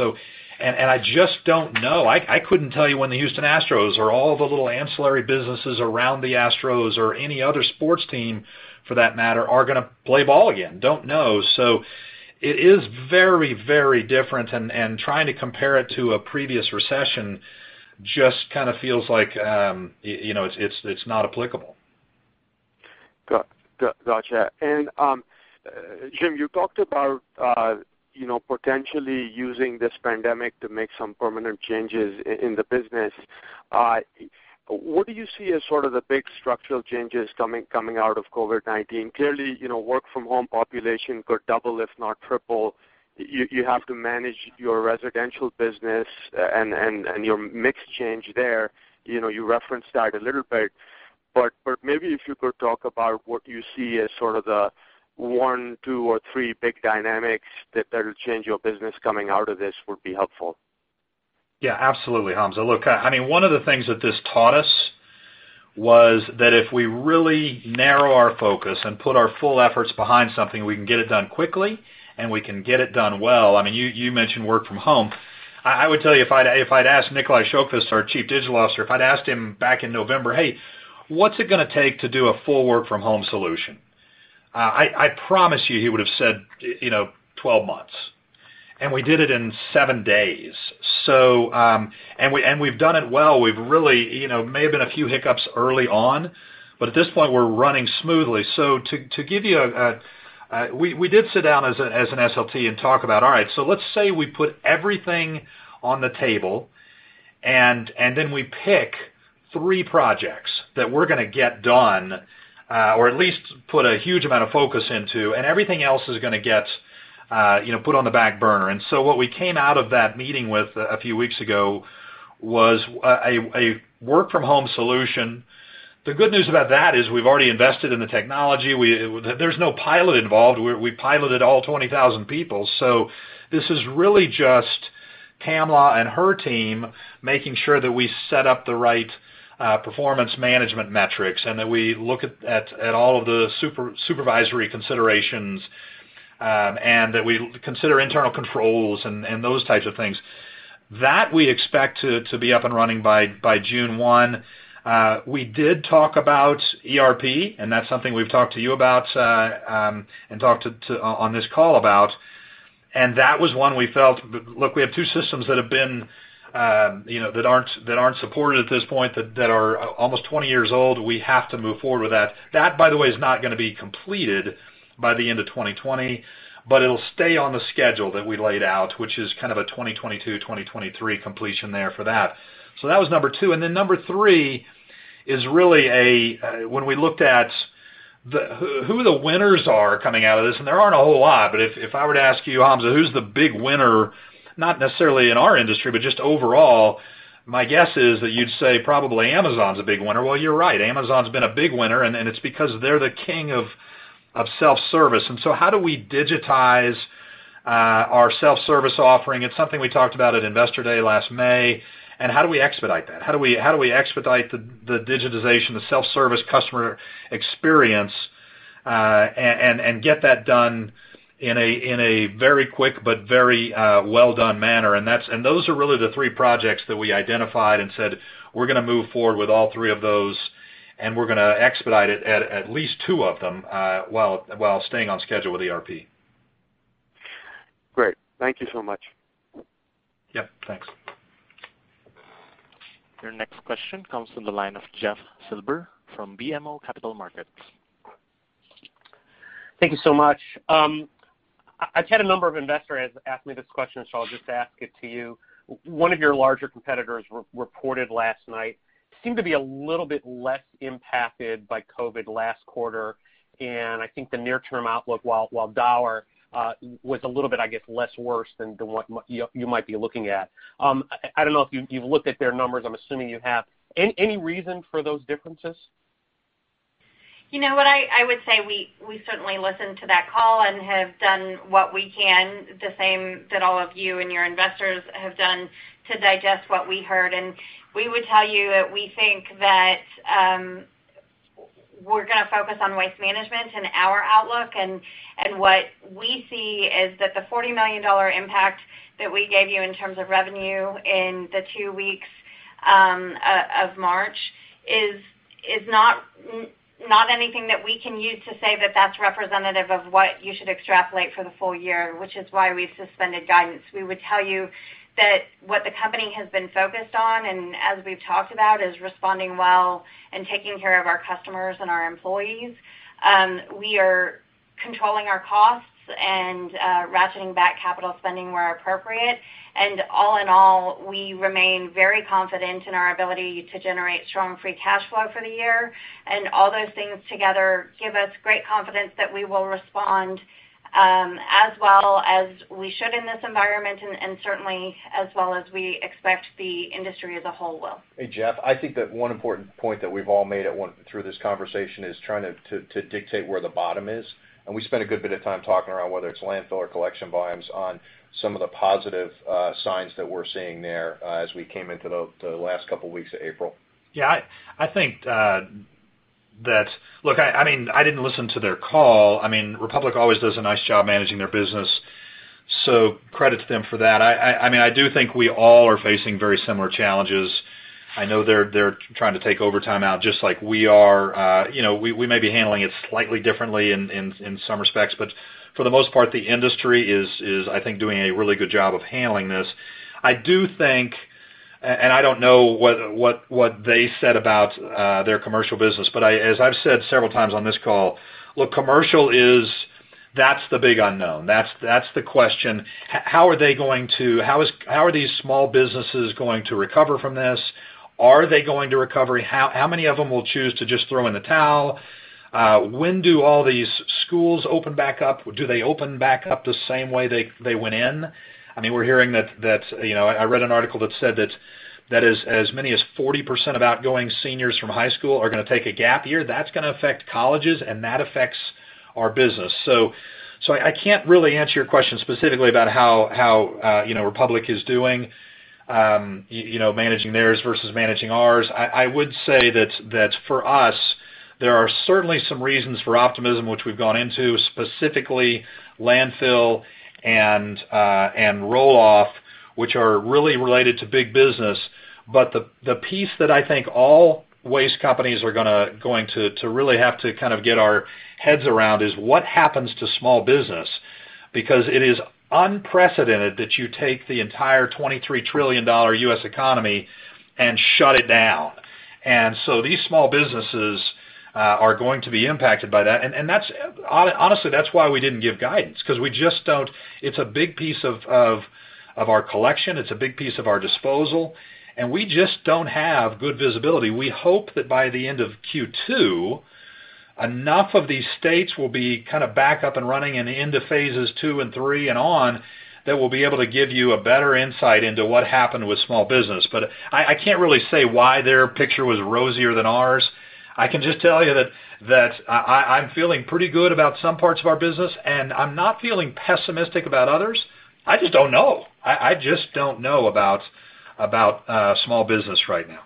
S3: I just don't know. I couldn't tell you when the Houston Astros or all the little ancillary businesses around the Astros or any other sports team for that matter, are going to play ball again. Don't know. It is very different and trying to compare it to a previous recession just feels like it's not applicable.
S8: Gotcha. Jim, you talked about potentially using this pandemic to make some permanent changes in the business. What do you see as sort of the big structural changes coming out of COVID-19? Clearly, work from home population could double, if not triple. You have to manage your residential business and your mix change there. You referenced that a little bit. Maybe if you could talk about what you see as sort of the one, two, or three big dynamics that'll change your business coming out of this would be helpful.
S3: Yeah, absolutely, Hamzah. Look, one of the things that this taught us was that if we really narrow our focus and put our full efforts behind something, we can get it done quickly, and we can get it done well. You mentioned work from home. I would tell you, if I'd asked Nikolaj Sjoqvist, our Chief Digital Officer, if I'd asked him back in November, "Hey, what's it going to take to do a full work from home solution?" I promise you, he would've said, "12 months." We did it in seven days. We've done it well. May have been a few hiccups early on, but at this point, we're running smoothly. We did sit down as an SLT and talk about, all right, so let's say we put everything on the table, and then we pick three projects that we're going to get done, or at least put a huge amount of focus into, and everything else is going to get put on the back burner. What we came out of that meeting with a few weeks ago was a work from home solution. The good news about that is we've already invested in the technology. There's no pilot involved. We piloted all 20,000 people. This is really just Pamela and her team making sure that we set up the right performance management metrics, and that we look at all of the supervisory considerations, and that we consider internal controls and those types of things. That, we expect to be up and running by June 1. We did talk about ERP, and that's something we've talked to you about, and talked on this call about. Look, we have two systems that aren't supported at this point that are almost 20 years old. We have to move forward with that. That, by the way, is not going to be completed by the end of 2020, but it'll stay on the schedule that we laid out, which is kind of a 2022, 2023 completion there for that. That was number two. Number three is really when we looked at who the winners are coming out of this, and there aren't a whole lot, but if I were to ask you, Hamzah, who's the big winner, not necessarily in our industry, but just overall, my guess is that you'd say probably Amazon's a big winner. Well, you're right. Amazon's been a big winner. It's because they're the king of self-service. How do we digitize our self-service offering? It's something we talked about at Investor Day last May. How do we expedite that? How do we expedite the digitization, the self-service customer experience, and get that done in a very quick but very well-done manner? Those are really the three projects that we identified and said we're going to move forward with all three of those, and we're going to expedite at least two of them, while staying on schedule with ERP.
S8: Great. Thank you so much.
S3: Yep, thanks.
S1: Your next question comes from the line of Jeff Silber from BMO Capital Markets.
S9: Thank you so much. I've had a number of investors ask me this question, so I'll just ask it to you. One of your larger competitors reported last night seemed to be a little bit less impacted by COVID last quarter, and I think the near-term outlook, while dour, was a little bit, I guess, less worse than what you might be looking at. I don't know if you've looked at their numbers. I'm assuming you have. Any reason for those differences?
S5: What I would say, we certainly listened to that call and have done what we can, the same that all of you and your investors have done to digest what we heard. We would tell you that we think that we're going to focus on Waste Management and our outlook, and what we see is that the $40 million impact that we gave you in terms of revenue in the two weeks of March is not anything that we can use to say that that's representative of what you should extrapolate for the full year, which is why we suspended guidance. We would tell you that what the company has been focused on, and as we've talked about, is responding well and taking care of our customers and our employees. We are controlling our costs and ratcheting back capital spending where appropriate. All in all, we remain very confident in our ability to generate strong free cash flow for the year. All those things together give us great confidence that we will respond as well as we should in this environment, and certainly as well as we expect the industry as a whole will.
S4: Hey, Jeff, I think that one important point that we've all made through this conversation is trying to dictate where the bottom is. We spent a good bit of time talking about whether it's landfill or collection volumes on some of the positive signs that we're seeing there as we came into the last couple weeks of April.
S3: Yeah. I didn't listen to their call. Republic always does a nice job managing their business, credit to them for that. I do think we all are facing very similar challenges. I know they're trying to take overtime out just like we are. We may be handling it slightly differently in some respects, but for the most part, the industry is, I think, doing a really good job of handling this. I don't know what they said about their commercial business. As I've said several times on this call, look, commercial, that's the big unknown. That's the question. How are these small businesses going to recover from this? Are they going to recover? How many of them will choose to just throw in the towel? When do all these schools open back up? Do they open back up the same way they went in? I read an article that said that as many as 40% of outgoing seniors from high school are going to take a gap year. That's going to affect colleges, and that affects our business. I can't really answer your question specifically about how Republic is doing managing theirs versus managing ours. I would say that for us, there are certainly some reasons for optimism, which we've gone into, specifically landfill and roll-off, which are really related to big business. The piece that I think all waste companies are going to really have to kind of get our heads around is what happens to small business, because it is unprecedented that you take the entire $23 trillion U.S. economy and shut it down. These small businesses are going to be impacted by that. Honestly, that's why we didn't give guidance, because it's a big piece of our collection, it's a big piece of our disposal, and we just don't have good visibility. We hope that by the end of Q2, enough of these states will be kind of back up and running in the end of phases II and III and on, that we'll be able to give you a better insight into what happened with small business. I can't really say why their picture was rosier than ours. I can just tell you that I'm feeling pretty good about some parts of our business, and I'm not feeling pessimistic about others. I just don't know. I just don't know about small business right now.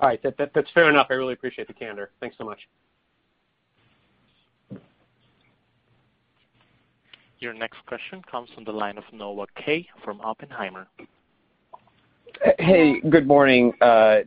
S9: All right. That's fair enough. I really appreciate the candor. Thanks so much.
S1: Your next question comes from the line of Noah Kaye from Oppenheimer.
S10: Hey, good morning,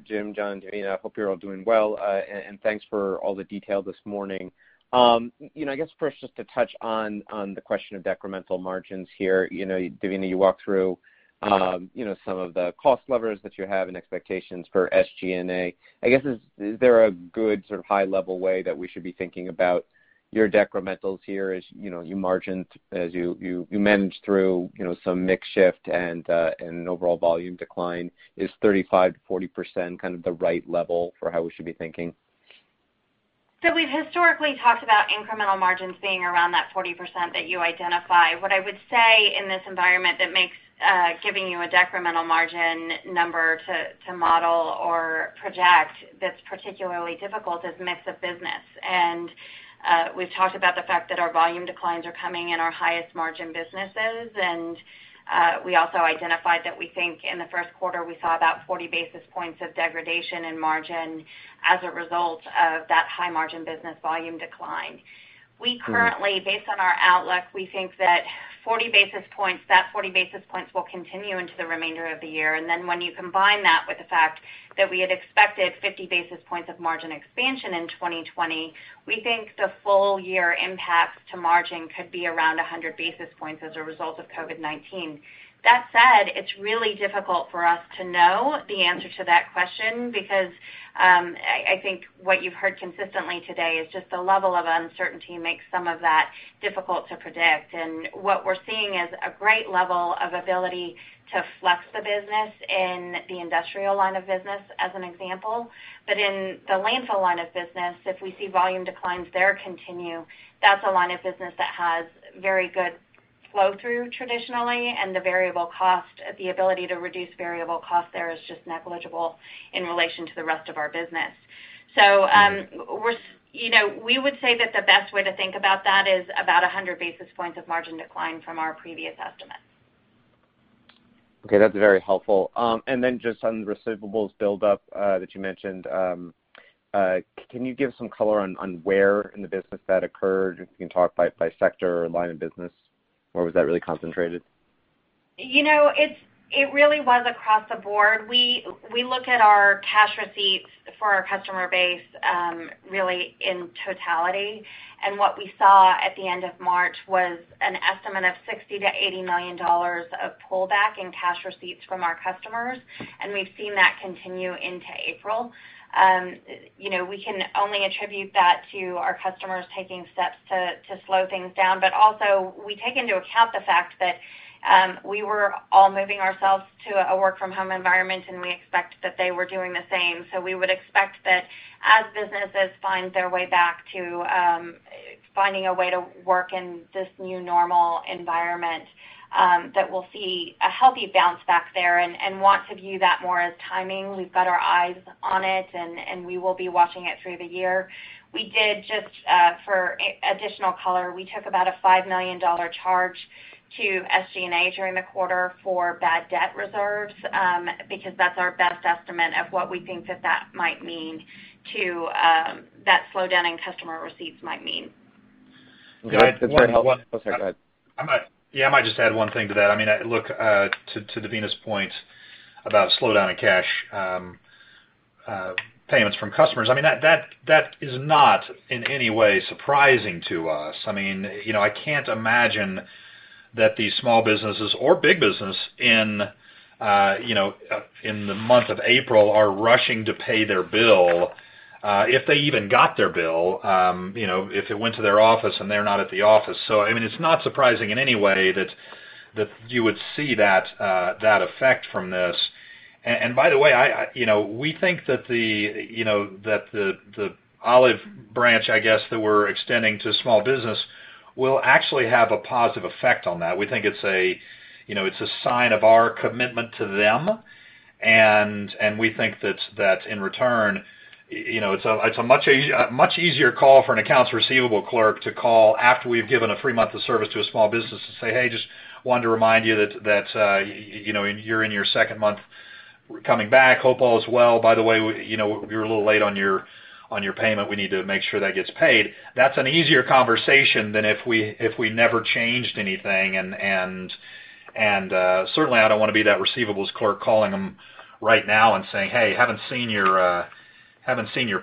S10: Jim, John, Devina. Hope you're all doing well, and thanks for all the detail this morning. I guess first, just to touch on the question of decremental margins here. Devina, you walked through some of the cost levers that you have and expectations for SG&A. I guess, is there a good sort of high-level way that we should be thinking about your decrementals here as you manage through some mix shift and an overall volume decline? Is 35%-40% kind of the right level for how we should be thinking?
S5: We've historically talked about incremental margins being around that 40% that you identify. What I would say in this environment that makes giving you a decremental margin number to model or project that's particularly difficult is mix of business. We've talked about the fact that our volume declines are coming in our highest margin businesses, and we also identified that we think in the first quarter, we saw about 40 basis points of degradation in margin as a result of that high margin business volume decline. Based on our outlook, we think that 40 basis points will continue into the remainder of the year. When you combine that with the fact that we had expected 50 basis points of margin expansion in 2020, we think the full-year impact to margin could be around 100 basis points as a result of COVID-19. That said, it's really difficult for us to know the answer to that question because I think what you've heard consistently today is just the level of uncertainty makes some of that difficult to predict. What we're seeing is a great level of ability to flex the business in the industrial line of business as an example. In the landfill line of business, if we see volume declines there continue, that's a line of business that has very good flow-through traditionally, and the ability to reduce variable cost there is just negligible in relation to the rest of our business. We would say that the best way to think about that is about 100 basis points of margin decline from our previous estimate.
S10: Okay. That's very helpful. Just on the receivables buildup that you mentioned, can you give some color on where in the business that occurred? If you can talk by sector or line of business, where was that really concentrated?
S5: It really was across the board. We look at our cash receipts for our customer base really in totality. What we saw at the end of March was an estimate of $60 million-$80 million of pullback in cash receipts from our customers, and we've seen that continue into April. Also, we take into account the fact that we were all moving ourselves to a work-from-home environment, and we expect that they were doing the same. We would expect that as businesses find their way back to finding a way to work in this new normal environment, that we'll see a healthy bounce back there and want to view that more as timing. We've got our eyes on it, and we will be watching it through the year. Just for additional color, we took about a $5 million charge to SG&A during the quarter for bad debt reserves because that's our best estimate of what we think that slowdown in customer receipts might mean.
S10: Okay. That's very helpful.
S3: Yeah, I might just add one thing to that. Look, to Devina's point about slowdown in cash payments from customers. That is not in any way surprising to us. I can't imagine that these small businesses or big business in the month of April are rushing to pay their bill, if they even got their bill, if it went to their office and they're not at the office. It's not surprising in any way that you would see that effect from this. By the way, we think that the olive branch, I guess, that we're extending to small business will actually have a positive effect on that. We think it's a sign of our commitment to them, we think that in return, it's a much easier call for an accounts receivable clerk to call after we've given a free month of service to a small business to say, "Hey, just wanted to remind you that you're in your second month coming back. Hope all is well. By the way, you're a little late on your payment. We need to make sure that gets paid." That's an easier conversation than if we never changed anything. Certainly, I don't want to be that receivables clerk calling them right now and saying, "Hey, haven't seen your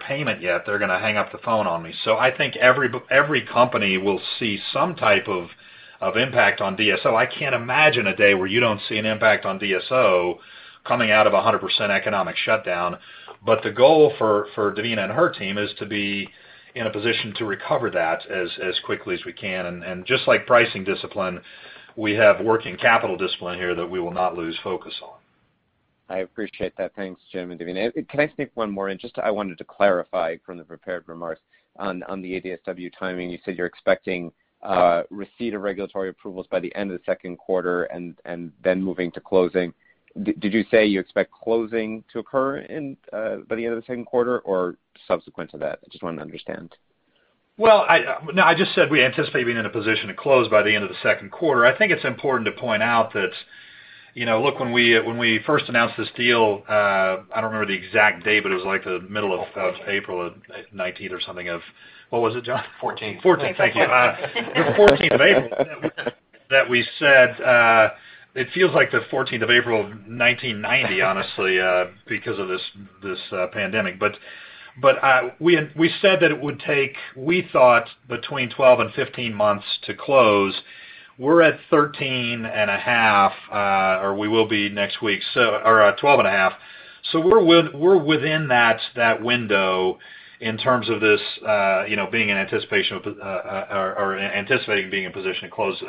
S3: payment yet." They're going to hang up the phone on me. I think every company will see some type of impact on DSO. I can't imagine a day where you don't see an impact on DSO coming out of 100% economic shutdown. The goal for Devina and her team is to be in a position to recover that as quickly as we can. Just like pricing discipline, we have working capital discipline here that we will not lose focus on.
S10: I appreciate that. Thanks, Jim and Devina. Can I sneak one more in? I wanted to clarify from the prepared remarks on the ADSW timing. You said you're expecting receipt of regulatory approvals by the end of the second quarter and then moving to closing. Did you say you expect closing to occur by the end of the second quarter or subsequent to that? I just wanted to understand.
S3: Well, no, I just said we anticipate being in a position to close by the end of the second quarter. I think it's important to point out that, look, when we first announced this deal, I don't remember the exact date, but it was like the middle of April 2019 or something of What was it, John?
S4: 14th.
S3: 14th. Thank you. The 14th of April that we said. It feels like the 14th of April 1990, honestly because of this pandemic. We said that it would take, we thought, between 12 and 15 months to close. We're at 13.5, or we will be next week, or 12.5. We're within that window in terms of this anticipating being in position to close.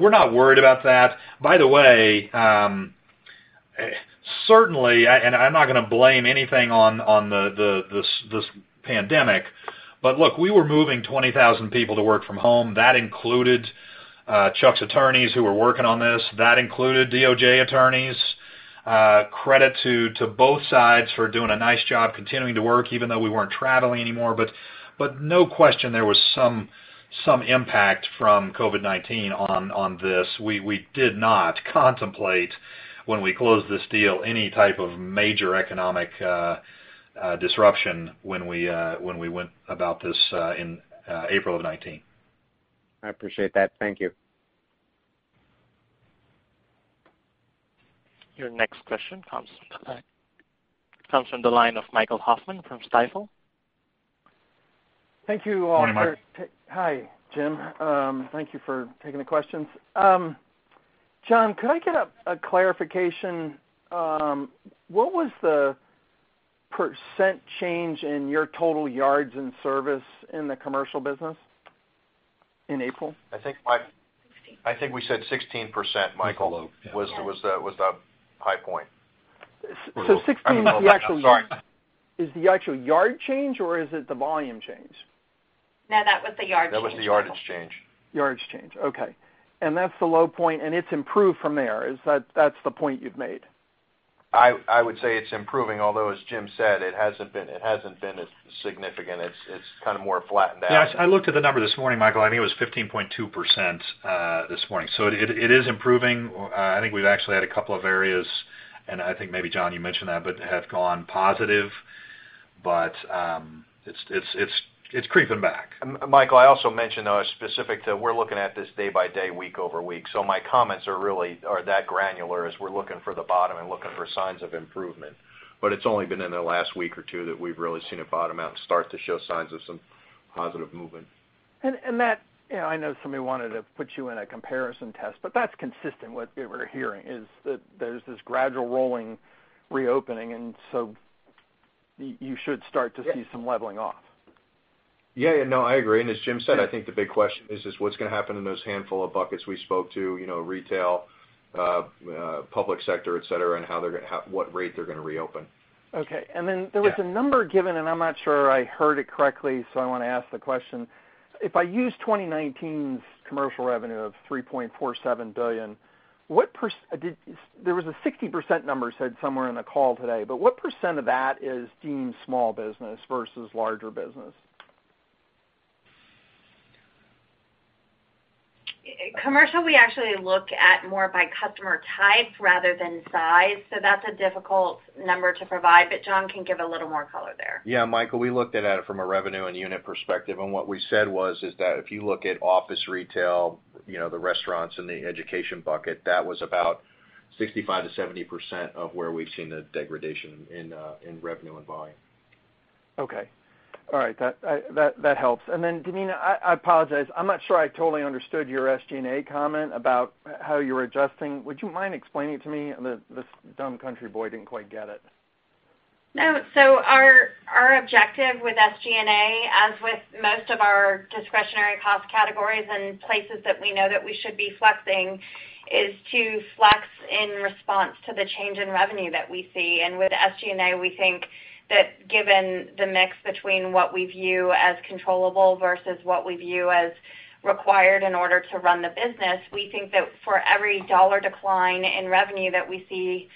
S3: We're not worried about that. By the way, certainly, and I'm not going to blame anything on this pandemic, but look, we were moving 20,000 people to work from home. That included Chuck's attorneys who were working on this. That included DOJ attorneys. Credit to both sides for doing a nice job continuing to work, even though we weren't traveling anymore. No question, there was some impact from COVID-19 on this. We did not contemplate when we closed this deal any type of major economic disruption when we went about this in April of 2019.
S10: I appreciate that. Thank you.
S1: Your next question comes from the line of Michael Hoffman from Stifel.
S11: Thank you all for.
S3: Good morning, Michael.
S11: Hi, Jim. Thank you for taking the questions. John, could I get a clarification? What was the % change in your total yards in service in the commercial business in April?
S4: I think we said 16%, Michael.
S3: It was low. Yeah.
S4: was the high point.
S11: 16-
S4: I mean, low. Sorry
S11: is the actual yard change or is it the volume change?
S5: No, that was the yardage change, Michael.
S4: That was the yardage change.
S11: Yardage change. Okay. That's the low point and it's improved from there. That's the point you've made.
S4: I would say it's improving, although, as Jim said, it hasn't been as significant. It's kind of more flattened out.
S3: Yeah. I looked at the number this morning, Michael. I think it was 15.2% this morning. It is improving. I think we've actually had a couple of areas, and I think maybe John, you mentioned that, but have gone positive. It's creeping back.
S4: Michael, I also mentioned, though, specific to we're looking at this day by day, week over week. My comments are really are that granular as we're looking for the bottom and looking for signs of improvement. It's only been in the last week or two that we've really seen it bottom out and start to show signs of some positive movement.
S11: That, I know somebody wanted to put you in a comparison test, but that's consistent with what we're hearing is that there's this gradual rolling reopening, and so you should start to see some leveling off.
S4: Yeah. No, I agree. As Jim said, I think the big question is what's going to happen in those handful of buckets we spoke to, retail, public sector, et cetera, and what rate they're going to reopen.
S11: Okay. Then there was a number given, and I'm not sure I heard it correctly, so I want to ask the question. If I use 2019's commercial revenue of $3.47 billion, there was a 60% number said somewhere in the call today, but what percent of that is deemed small business versus larger business?
S5: Commercial, we actually look at more by customer type rather than size. That's a difficult number to provide. John can give a little more color there.
S4: Yeah, Michael, we looked at it from a revenue and unit perspective, what we said was is that if you look at office retail, the restaurants, and the education bucket, that was about 65%-70% of where we've seen the degradation in revenue and volume.
S11: Okay. All right. That helps. Then, Devina, I apologize. I'm not sure I totally understood your SG&A comment about how you were adjusting. Would you mind explaining it to me? This dumb country boy didn't quite get it.
S5: No. Our objective with SG&A, as with most of our discretionary cost categories and places that we know that we should be flexing, is to flex in response to the change in revenue that we see. With SG&A, we think that given the mix between what we view as controllable versus what we view as required in order to run the business, we think that for every $1 decline in revenue that we see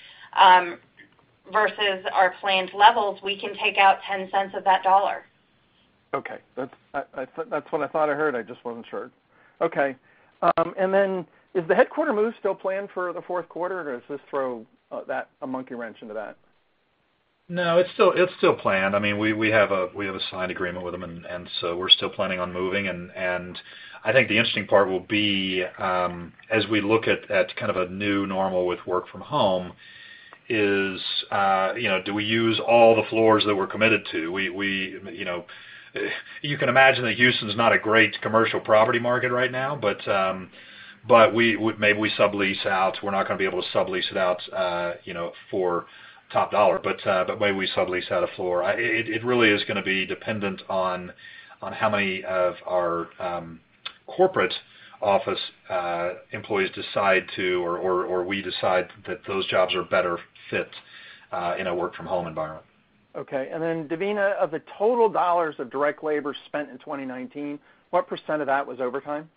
S5: versus our planned levels, we can take out $0.10 of that $1.
S11: Okay. That's what I thought I heard. I just wasn't sure. Okay. Is the headquarters move still planned for the fourth quarter, or does this throw a monkey wrench into that?
S3: No, it's still planned. We have a signed agreement with them. We're still planning on moving. I think the interesting part will be, as we look at kind of a new normal with work from home is, do we use all the floors that we're committed to? You can imagine that Houston's not a great commercial property market right now, but maybe we sublease out. We're not going to be able to sublease it out for top dollar. Maybe we sublease out a floor. It really is going to be dependent on how many of our corporate office employees decide to, or we decide that those jobs are better fit in a work from home environment.
S11: Okay. Devina, of the total dollars of direct labor spent in 2019, what % of that was overtime?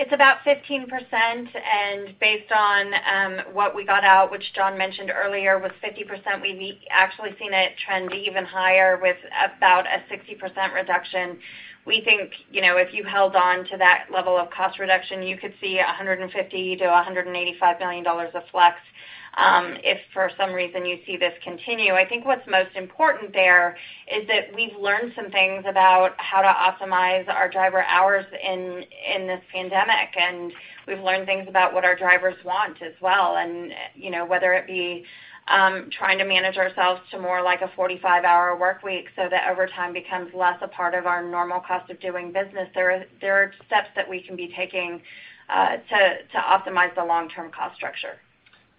S5: It's about 15%, and based on what we got out, which John mentioned earlier, was 50%. We've actually seen it trend even higher with about a 60% reduction. We think, if you held on to that level of cost reduction, you could see $150 million-$185 million of flex if for some reason you see this continue. I think what's most important there is that we've learned some things about how to optimize our driver hours in this pandemic, and we've learned things about what our drivers want as well. And whether it be trying to manage ourselves to more like a 45-hour workweek so that overtime becomes less a part of our normal cost of doing business, there are steps that we can be taking to optimize the long-term cost structure.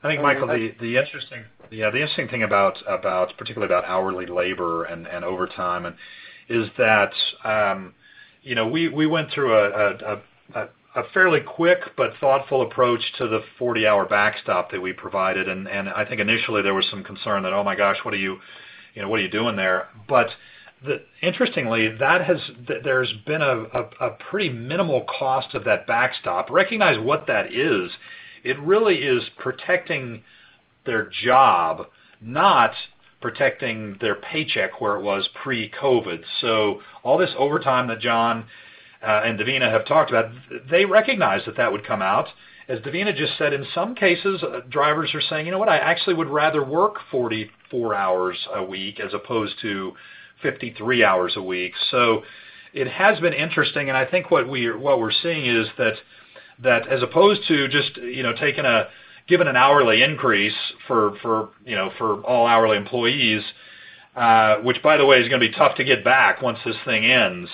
S3: I think, Michael, the interesting thing particularly about hourly labor and overtime is that we went through a fairly quick but thoughtful approach to the 40-hour backstop that we provided. I think initially there was some concern that, oh my gosh, what are you doing there? Interestingly, there's been a pretty minimal cost of that backstop. Recognize what that is. It really is protecting their job, not protecting their paycheck where it was pre-COVID. All this overtime that John and Devina have talked about, they recognized that that would come out. As Devina just said, in some cases, drivers are saying, "You know what? I actually would rather work 44 hours a week as opposed to 53 hours a week. It has been interesting, and I think what we're seeing is that as opposed to just giving an hourly increase for all hourly employees, which by the way, is going to be tough to get back once this thing ends,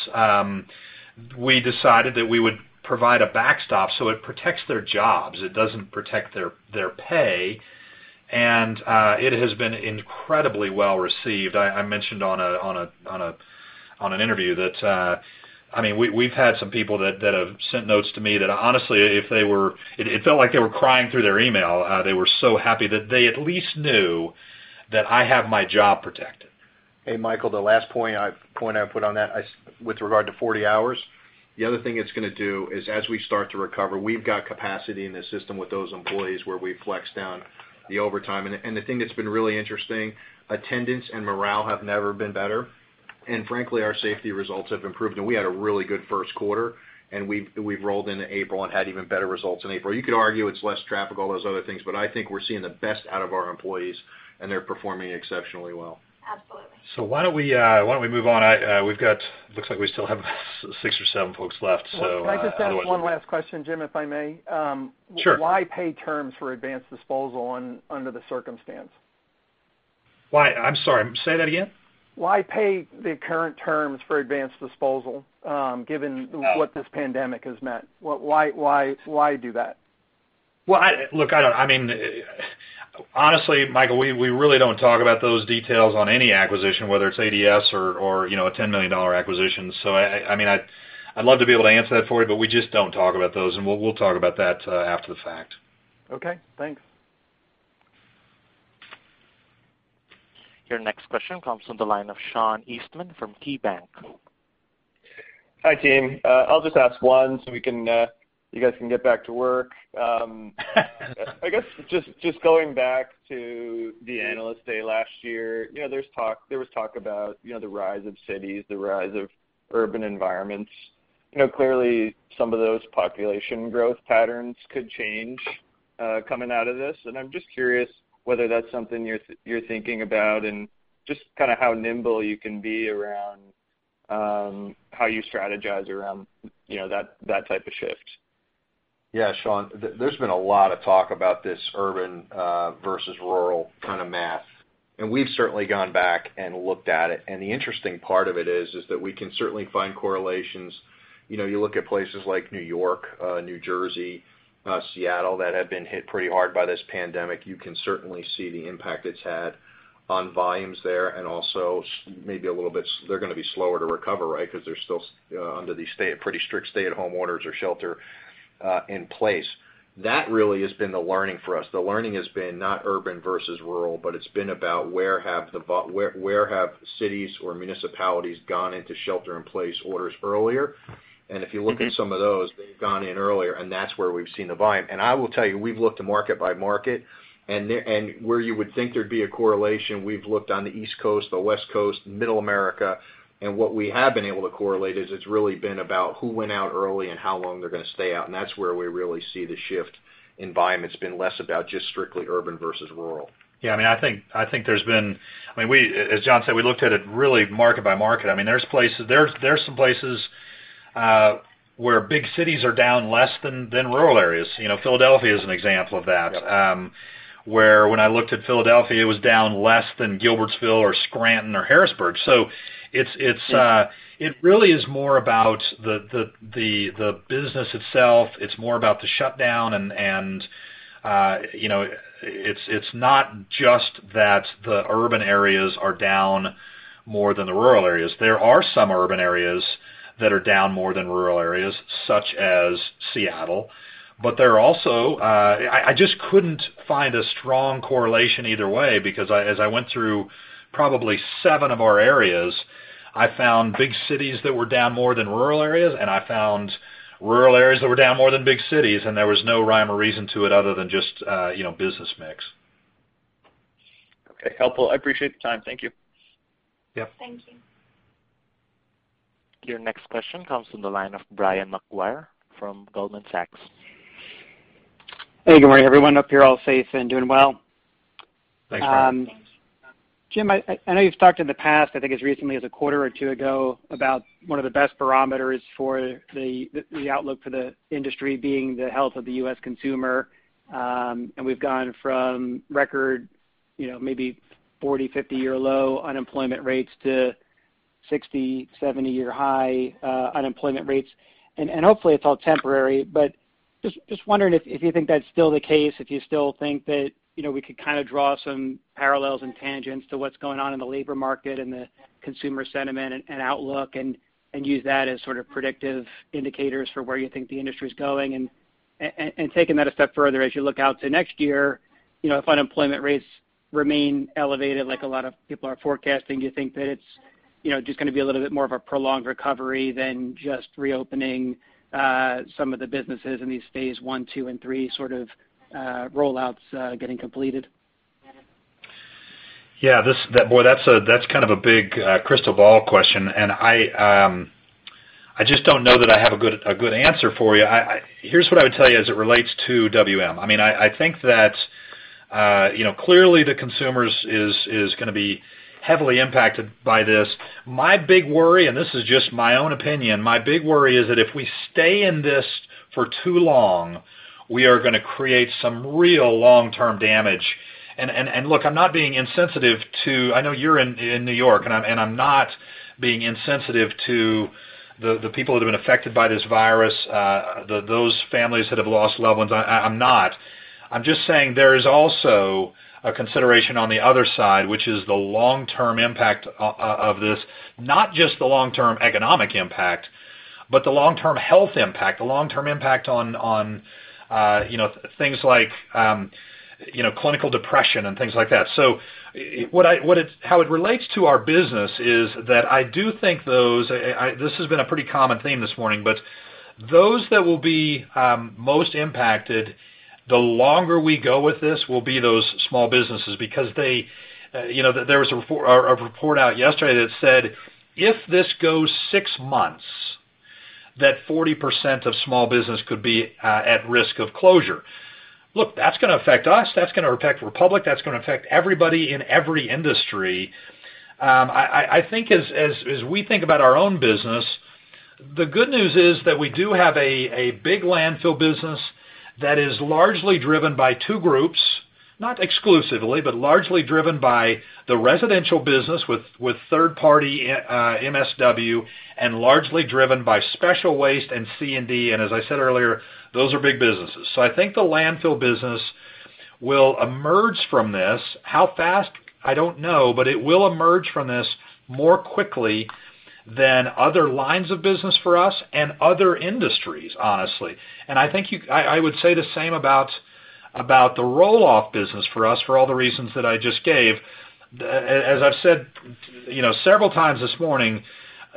S3: we decided that we would provide a backstop so it protects their jobs. It doesn't protect their pay, and it has been incredibly well-received. I mentioned on an interview that we've had some people that have sent notes to me that honestly, it felt like they were crying through their email. They were so happy that they at least knew that, "I have my job protected.
S4: Hey, Michael, the last point I put on that with regard to 40 hours. The other thing it's going to do is as we start to recover, we've got capacity in the system with those employees where we flex down the overtime. The thing that's been really interesting, attendance and morale have never been better. Frankly, our safety results have improved, and we had a really good first quarter, and we've rolled into April and had even better results in April. You could argue it's less traffic, all those other things, but I think we're seeing the best out of our employees, and they're performing exceptionally well.
S5: Absolutely.
S3: Why don't we move on? It looks like we still have six or seven folks left.
S11: Can I just ask one last question, Jim, if I may?
S3: Sure.
S11: Why pay terms for Advanced Disposal under the circumstance?
S3: Why? I'm sorry. Say that again?
S11: Why pay the current terms for Advanced Disposal given what this pandemic has meant? Why do that?
S3: Look, honestly, Michael, we really don't talk about those details on any acquisition, whether it's ADS or a $10 million acquisition. I'd love to be able to answer that for you, but we just don't talk about those, and we'll talk about that after the fact.
S11: Okay, thanks.
S1: Your next question comes from the line of Sean Eastman from KeyBanc.
S12: Hi, team. I'll just ask one so you guys can get back to work. I guess just going back to the Analyst Day last year, there was talk about the rise of cities, the rise of urban environments. Clearly, some of those population growth patterns could change coming out of this, and I'm just curious whether that's something you're thinking about and just how nimble you can be around how you strategize around that type of shift.
S4: Yeah, Sean, there's been a lot of talk about this urban versus rural kind of math, and we've certainly gone back and looked at it. The interesting part of it is that we can certainly find correlations. You look at places like New York, New Jersey, Seattle, that have been hit pretty hard by this pandemic. You can certainly see the impact it's had on volumes there. Also maybe a little bit, they're going to be slower to recover, right? Because they're still under these pretty strict stay-at-home orders or shelter in place. That really has been the learning for us. The learning has been not urban versus rural, but it's been about where have cities or municipalities gone into shelter in place orders earlier. If you look at some of those, they've gone in earlier, and that's where we've seen the volume. I will tell you, we've looked at market by market, and where you would think there'd be a correlation, we've looked on the East Coast, the West Coast, Middle America, and what we have been able to correlate is it's really been about who went out early and how long they're going to stay out. That's where we really see the shift in volume. It's been less about just strictly urban versus rural.
S3: Yeah, I think there's been as John said, we looked at it really market by market. There's some places where big cities are down less than rural areas. Philadelphia is an example of that.
S4: Yep.
S3: Where when I looked at Philadelphia, it was down less than Gilbertsville or Scranton or Harrisburg. It really is more about the business itself. It's more about the shutdown, and it's not just that the urban areas are down more than the rural areas. There are some urban areas that are down more than rural areas, such as Seattle. I just couldn't find a strong correlation either way, because as I went through probably seven of our areas, I found big cities that were down more than rural areas, and I found rural areas that were down more than big cities, and there was no rhyme or reason to it other than just business mix.
S12: Okay, helpful. I appreciate the time. Thank you.
S4: Yep.
S5: Thank you.
S1: Your next question comes from the line of Brian Maguire from Goldman Sachs.
S13: Hey, good morning, everyone. Hope you're all safe and doing well.
S4: Thanks, Brian.
S13: Jim, I know you've talked in the past, I think as recently as a quarter or two ago, about one of the best barometers for the outlook for the industry being the health of the U.S. consumer. We've gone from record maybe 40, 50-year low unemployment rates to 60, 70-year high unemployment rates. Hopefully it's all temporary, but just wondering if you think that's still the case, if you still think that we could kind of draw some parallels and tangents to what's going on in the labor market and the consumer sentiment and outlook, and use that as sort of predictive indicators for where you think the industry's going. Taking that a step further, as you look out to next year, if unemployment rates remain elevated like a lot of people are forecasting, do you think that it's just going to be a little bit more of a prolonged recovery than just reopening some of the businesses in these phase I, II, and III sort of rollouts getting completed?
S3: Yeah. Boy, that's kind of a big crystal ball question. I just don't know that I have a good answer for you. Here's what I would tell you as it relates to WM. I think that clearly the consumer is going to be heavily impacted by this. My big worry, and this is just my own opinion, my big worry is that if we stay in this for too long, we are going to create some real long-term damage. Look, I know you're in New York, and I'm not being insensitive to the people that have been affected by this virus, those families that have lost loved ones. I'm not. I'm just saying there is also a consideration on the other side, which is the long-term impact of this. Not just the long-term economic impact, but the long-term health impact, the long-term impact on things like clinical depression and things like that. How it relates to our business is that I do think those, this has been a pretty common theme this morning, but those that will be most impacted the longer we go with this will be those small businesses. There was a report out yesterday that said if this goes six months, that 40% of small business could be at risk of closure. Look, that's going to affect us. That's going to affect Republic. That's going to affect everybody in every industry. I think as we think about our own business, the good news is that we do have a big landfill business that is largely driven by two groups, not exclusively, but largely driven by the residential business with third-party MSW, and largely driven by special waste and C&D. As I said earlier, those are big businesses. I think the landfill business will emerge from this. How fast? I don't know, but it will emerge from this more quickly than other lines of business for us and other industries, honestly. I would say the same about the roll-off business for us, for all the reasons that I just gave. As I've said several times this morning,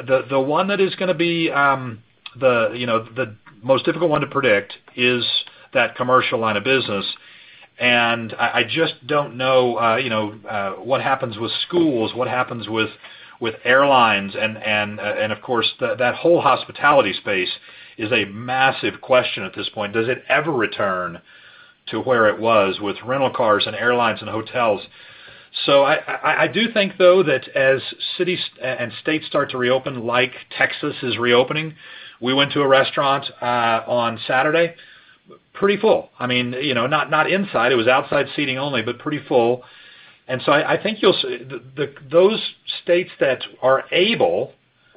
S3: the one that is going to be the most difficult one to predict is that commercial line of business. I just don't know what happens with schools, what happens with airlines, and of course, that whole hospitality space is a massive question at this point. Does it ever return to where it was with rental cars and airlines and hotels? I do think though, that as cities and states start to reopen, like Texas is reopening. We went to a restaurant on Saturday, pretty full. Not inside, it was outside seating only, but pretty full. I think those states that are able,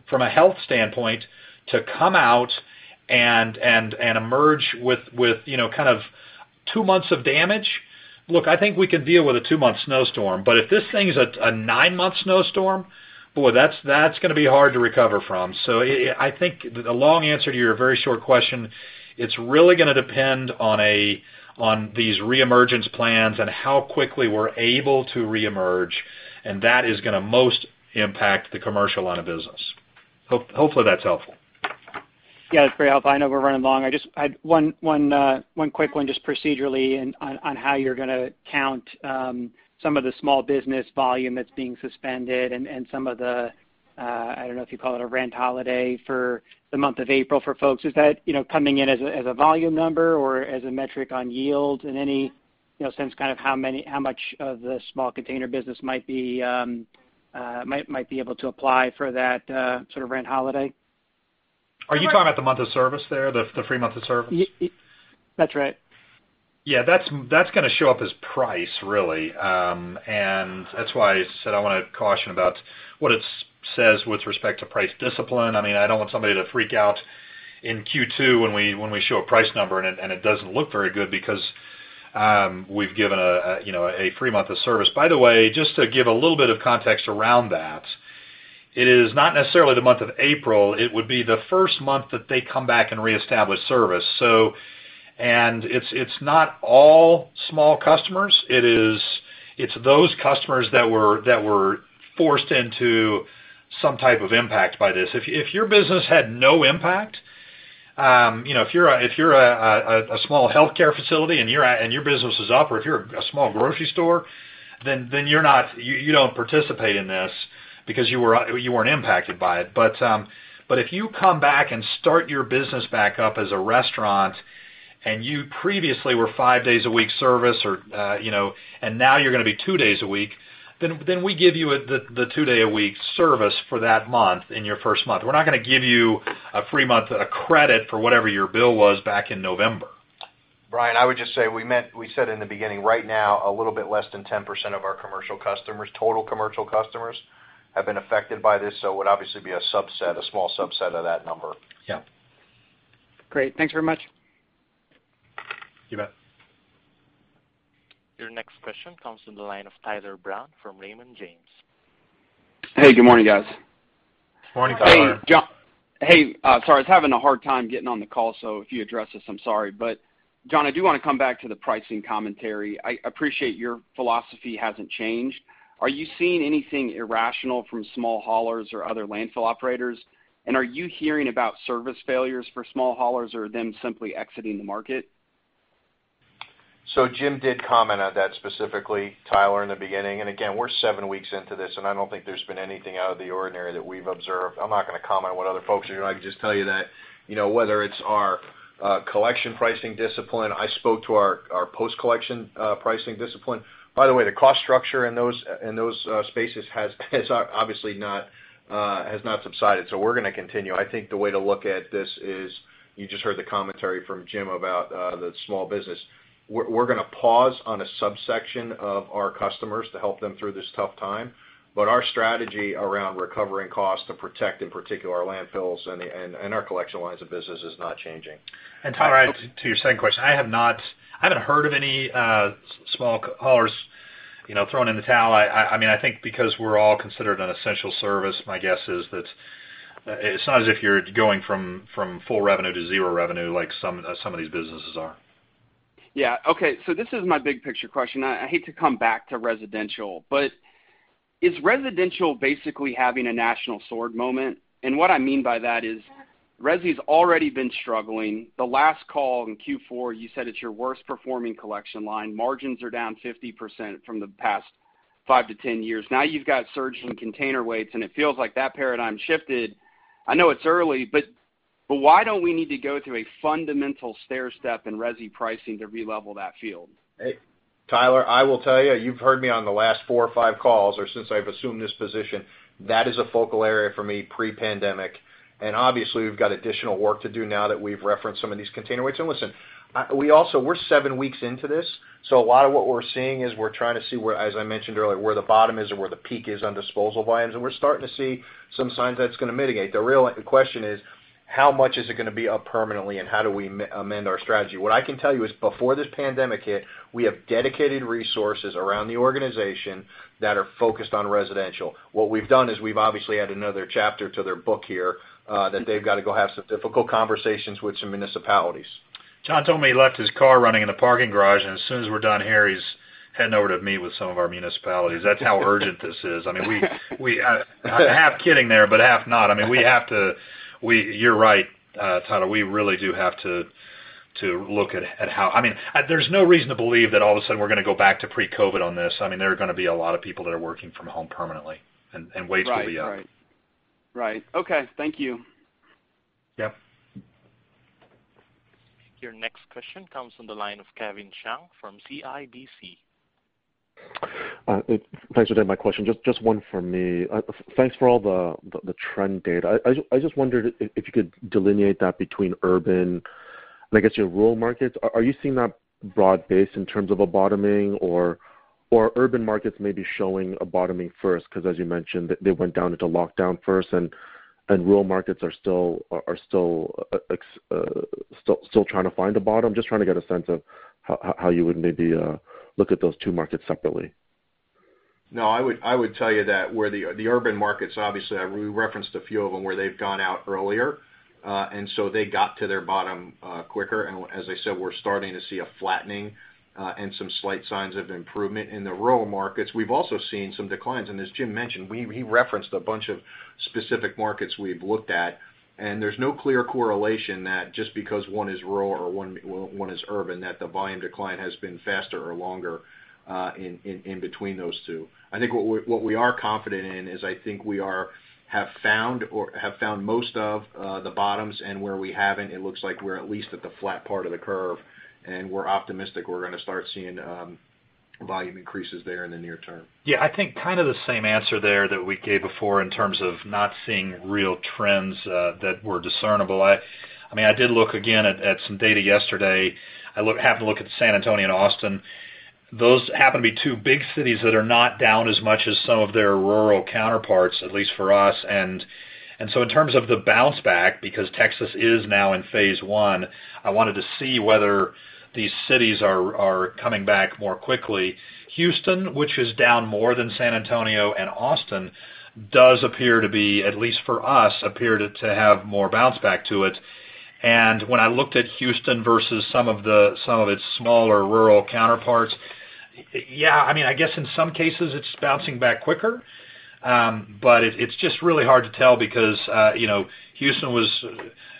S3: from a health standpoint, to come out and emerge with kind of two months of damage. Look, I think we can deal with a two-month snowstorm, but if this thing's a nine-month snowstorm, boy, that's going to be hard to recover from. I think the long answer to your very short question. It's really going to depend on these re-emergence plans and how quickly we're able to re-emerge, and that is going to most impact the commercial line of business. Hopefully that's helpful.
S13: That's very helpful. I know we're running long. I just had one quick one, just procedurally on how you're going to count some of the small business volume that's being suspended and some of the, I don't know if you'd call it a rent holiday for the month of April for folks. Is that coming in as a volume number or as a metric on yield in any sense, kind of how much of the small container business might be able to apply for that sort of rent holiday?
S3: Are you talking about the month of service there, the free month of service?
S13: That's right.
S3: Yeah. That's going to show up as price, really. That's why I said I want to caution about what it says with respect to price discipline. I don't want somebody to freak out in Q2 when we show a price number and it doesn't look very good because we've given a free month of service. By the way, just to give a little bit of context around that, it is not necessarily the month of April. It would be the first month that they come back and reestablish service. It's not all small customers. It's those customers that were forced into some type of impact by this. If your business had no impact, if you're a small healthcare facility and your business is up, or if you're a small grocery store, then you don't participate in this because you weren't impacted by it. If you come back and start your business back up as a restaurant and you previously were five days a week service and now you're going to be two days a week, then we give you the two day a week service for that month in your first month. We're not going to give you a free month, a credit for whatever your bill was back in November.
S4: Brian, I would just say, we said in the beginning, right now, a little bit less than 10% of our commercial customers, total commercial customers, have been affected by this. It would obviously be a subset, a small subset of that number.
S3: Yeah.
S13: Great. Thanks very much.
S3: You bet.
S1: Your next question comes from the line of Tyler Brown from Raymond James.
S14: Hey, good morning, guys.
S3: Morning, Tyler.
S4: Morning.
S14: Hey, John. Hey, sorry, I was having a hard time getting on the call, so if you addressed this, I'm sorry. John, I do want to come back to the pricing commentary. I appreciate your philosophy hasn't changed. Are you seeing anything irrational from small haulers or other landfill operators? Are you hearing about service failures for small haulers or are they simply exiting the market?
S4: Jim did comment on that specifically, Tyler, in the beginning. Again, we're seven weeks into this, and I don't think there's been anything out of the ordinary that we've observed. I'm not going to comment on what other folks are doing. I can just tell you that, whether it's our collection pricing discipline, I spoke to our post-collection pricing discipline. By the way, the cost structure in those spaces has obviously not subsided. We're going to continue. I think the way to look at this is, you just heard the commentary from Jim about the small business. We're going to pause on a subsection of our customers to help them through this tough time. Our strategy around recovering costs to protect, in particular, our landfills and our collection lines of business is not changing.
S3: Tyler, to your second question, I haven't heard of any small haulers throwing in the towel. I think because we're all considered an essential service, my guess is that it's not as if you're going from full revenue to zero revenue, like some of these businesses are.
S14: Yeah. Okay. This is my big-picture question. I hate to come back to residential, but is residential basically having a National Sword moment? What I mean by that is resi's already been struggling. The last call in Q4, you said it's your worst-performing collection line. Margins are down 50% from the past 5-10 years. Now you've got surging container weights, and it feels like that paradigm shifted. I know it's early, but why don't we need to go through a fundamental stairstep in resi pricing to re-level that field?
S4: Hey, Tyler, I will tell you've heard me on the last four or five calls, or since I've assumed this position, that is a focal area for me pre-pandemic. Obviously, we've got additional work to do now that we've referenced some of these container weights. Listen, we're seven weeks into this, so a lot of what we're seeing is we're trying to see where, as I mentioned earlier, where the bottom is or where the peak is on disposal volumes, and we're starting to see some signs that it's going to mitigate. The real question is how much is it going to be up permanently, and how do we amend our strategy? What I can tell you is, before this pandemic hit, we have dedicated resources around the organization that are focused on residential. What we've done is we've obviously added another chapter to their book here that they've got to go have some difficult conversations with some municipalities.
S3: John told me he left his car running in the parking garage. As soon as we're done here, he's heading over to meet with some of our municipalities. That's how urgent this is. I'm half kidding there, but half not. You're right, Tyler. We really do have to look at how. There's no reason to believe that all of a sudden we're going to go back to pre-COVID on this. There are going to be a lot of people that are working from home permanently, and waste will be up.
S14: Right. Okay. Thank you.
S3: Yeah.
S1: Your next question comes from the line of Kevin Chiang from CIBC.
S15: Thanks for taking my question. Just one for me. Thanks for all the trend data. I just wondered if you could delineate that between urban and I guess your rural markets. Are you seeing that broad-based in terms of a bottoming or urban markets may be showing a bottoming first, because as you mentioned, they went down into lockdown first and rural markets are still trying to find a bottom? Just trying to get a sense of how you would maybe look at those two markets separately.
S4: I would tell you that where the urban markets, obviously, we referenced a few of them where they've gone out earlier. They got to their bottom quicker, and as I said, we're starting to see a flattening, and some slight signs of improvement. In the rural markets, we've also seen some declines, and as Jim mentioned, he referenced a bunch of specific markets we've looked at, and there's no clear correlation that just because one is rural or one is urban, that the volume decline has been faster or longer in between those two. I think what we are confident in is I think we have found most of the bottoms, and where we haven't, it looks like we're at least at the flat part of the curve, and we're optimistic we're going to start seeing volume increases there in the near term.
S3: I think kind of the same answer there that we gave before in terms of not seeing real trends that were discernible. I did look again at some data yesterday. I happened to look at San Antonio and Austin. Those happen to be two big cities that are not down as much as some of their rural counterparts, at least for us. In terms of the bounce back, because Texas is now in phase I, I wanted to see whether these cities are coming back more quickly. Houston, which is down more than San Antonio and Austin, does appear to be, at least for us, appeared to have more bounce back to it. When I looked at Houston versus some of its smaller rural counterparts, I guess in some cases it's bouncing back quicker. It's just really hard to tell because Houston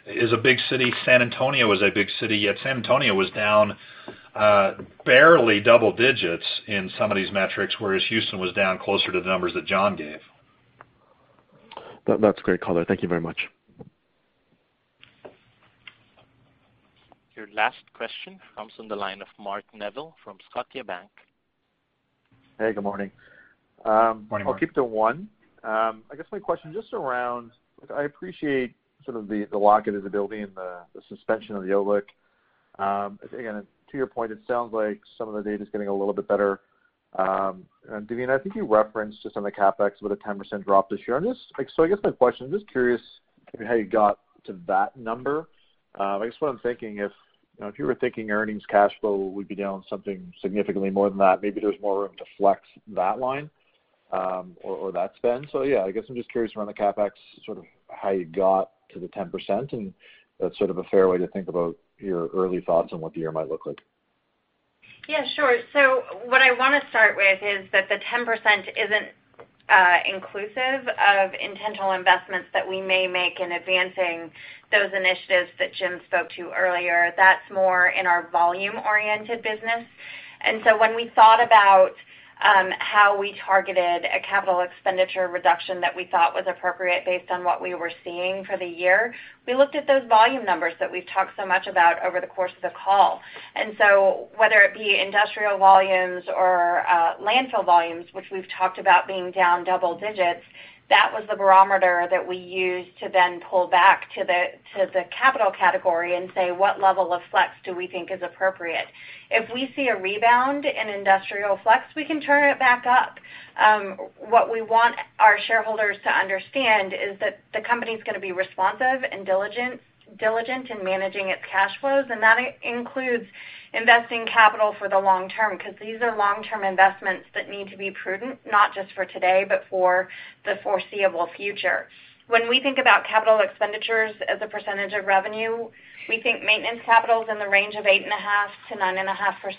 S3: is a big city. San Antonio is a big city, yet San Antonio was down barely double digits in some of these metrics, whereas Houston was down closer to the numbers that John gave.
S15: That's great color. Thank you very much.
S1: Your last question comes from the line of Mark Neville from Scotiabank.
S16: Hey, good morning.
S3: Morning, Mark.
S16: I'll keep to one. I guess my question just around, I appreciate sort of the locket of the building and the suspension of the outlook. Again, to your point, it sounds like some of the data's getting a little bit better. Devina, I think you referenced just on the CapEx with a 10% drop this year. I guess my question, I'm just curious how you got to that number. I guess what I'm thinking if you were thinking earnings cash flow would be down something significantly more than that, maybe there's more room to flex that line, or that spend. Yeah, I guess I'm just curious around the CapEx, sort of how you got to the 10%, and that's sort of a fair way to think about your early thoughts on what the year might look like.
S5: Yeah, sure. What I want to start with is that the 10% isn't inclusive of intentional investments that we may make in advancing those initiatives that Jim spoke to earlier. That's more in our volume-oriented business. When we thought about how we targeted a capital expenditure reduction that we thought was appropriate based on what we were seeing for the year, we looked at those volume numbers that we've talked so much about over the course of the call. Whether it be industrial volumes or landfill volumes, which we've talked about being down double digits, that was the barometer that we used to then pull back to the capital category and say, what level of flex do we think is appropriate? If we see a rebound in industrial flex, we can turn it back up. What we want our shareholders to understand is that the company's going to be responsive and diligent in managing its cash flows, and that includes investing capital for the long term, because these are long-term investments that need to be prudent, not just for today, but for the foreseeable future. When we think about capital expenditures as a percentage of revenue, we think maintenance capital is in the range of 8.5%-9.5%.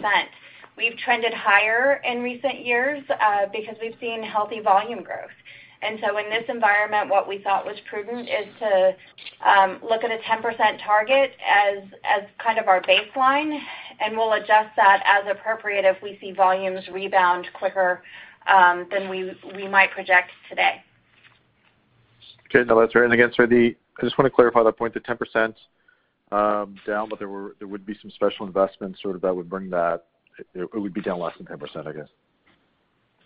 S5: We've trended higher in recent years, because we've seen healthy volume growth. In this environment, what we thought was prudent is to look at a 10% target as kind of our baseline, and we'll adjust that as appropriate if we see volumes rebound quicker than we might project today.
S16: Okay. No, that's fair. Sorry, I just want to clarify that point, the 10% down, there would be some special investments sort of that would bring that, it would be down less than 10%, I guess.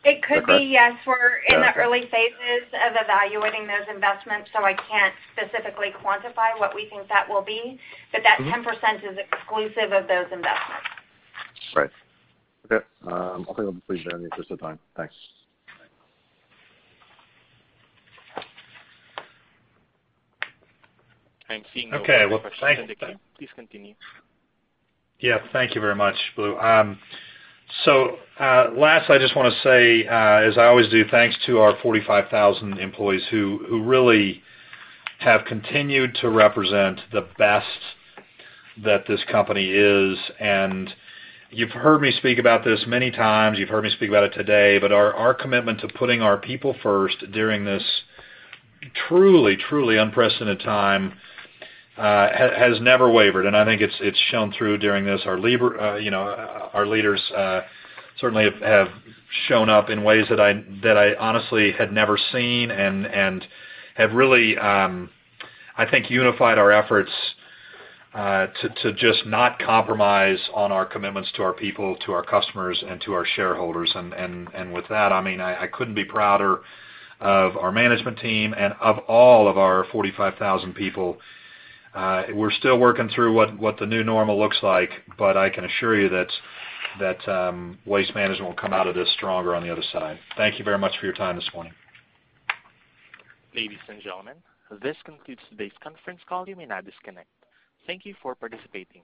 S5: It could be, yes.
S16: Okay. Yeah.
S5: We're in the early phases of evaluating those investments, so I can't specifically quantify what we think that will be. That 10% is exclusive of those investments.
S16: Right. Okay. I'll take complete in the interest of time. Thanks.
S1: I'm seeing no more questions in the queue.
S3: Okay. Well,
S1: Please continue.
S3: Yeah. Thank you very much, Blue. Last I just want to say, as I always do, thanks to our 45,000 employees who really have continued to represent the best that this company is, and you've heard me speak about this many times. You've heard me speak about it today, our commitment to putting our people first during this truly unprecedented time, has never wavered, and I think it's shown through during this. Our leaders certainly have shown up in ways that I honestly had never seen and have really, I think, unified our efforts, to just not compromise on our commitments to our people, to our customers and to our shareholders. With that, I couldn't be prouder of our management team and of all of our 45,000 people. We're still working through what the new normal looks like, but I can assure you that Waste Management will come out of this stronger on the other side. Thank you very much for your time this morning.
S1: Ladies and gentlemen, this concludes today's conference call. You may now disconnect. Thank you for participating.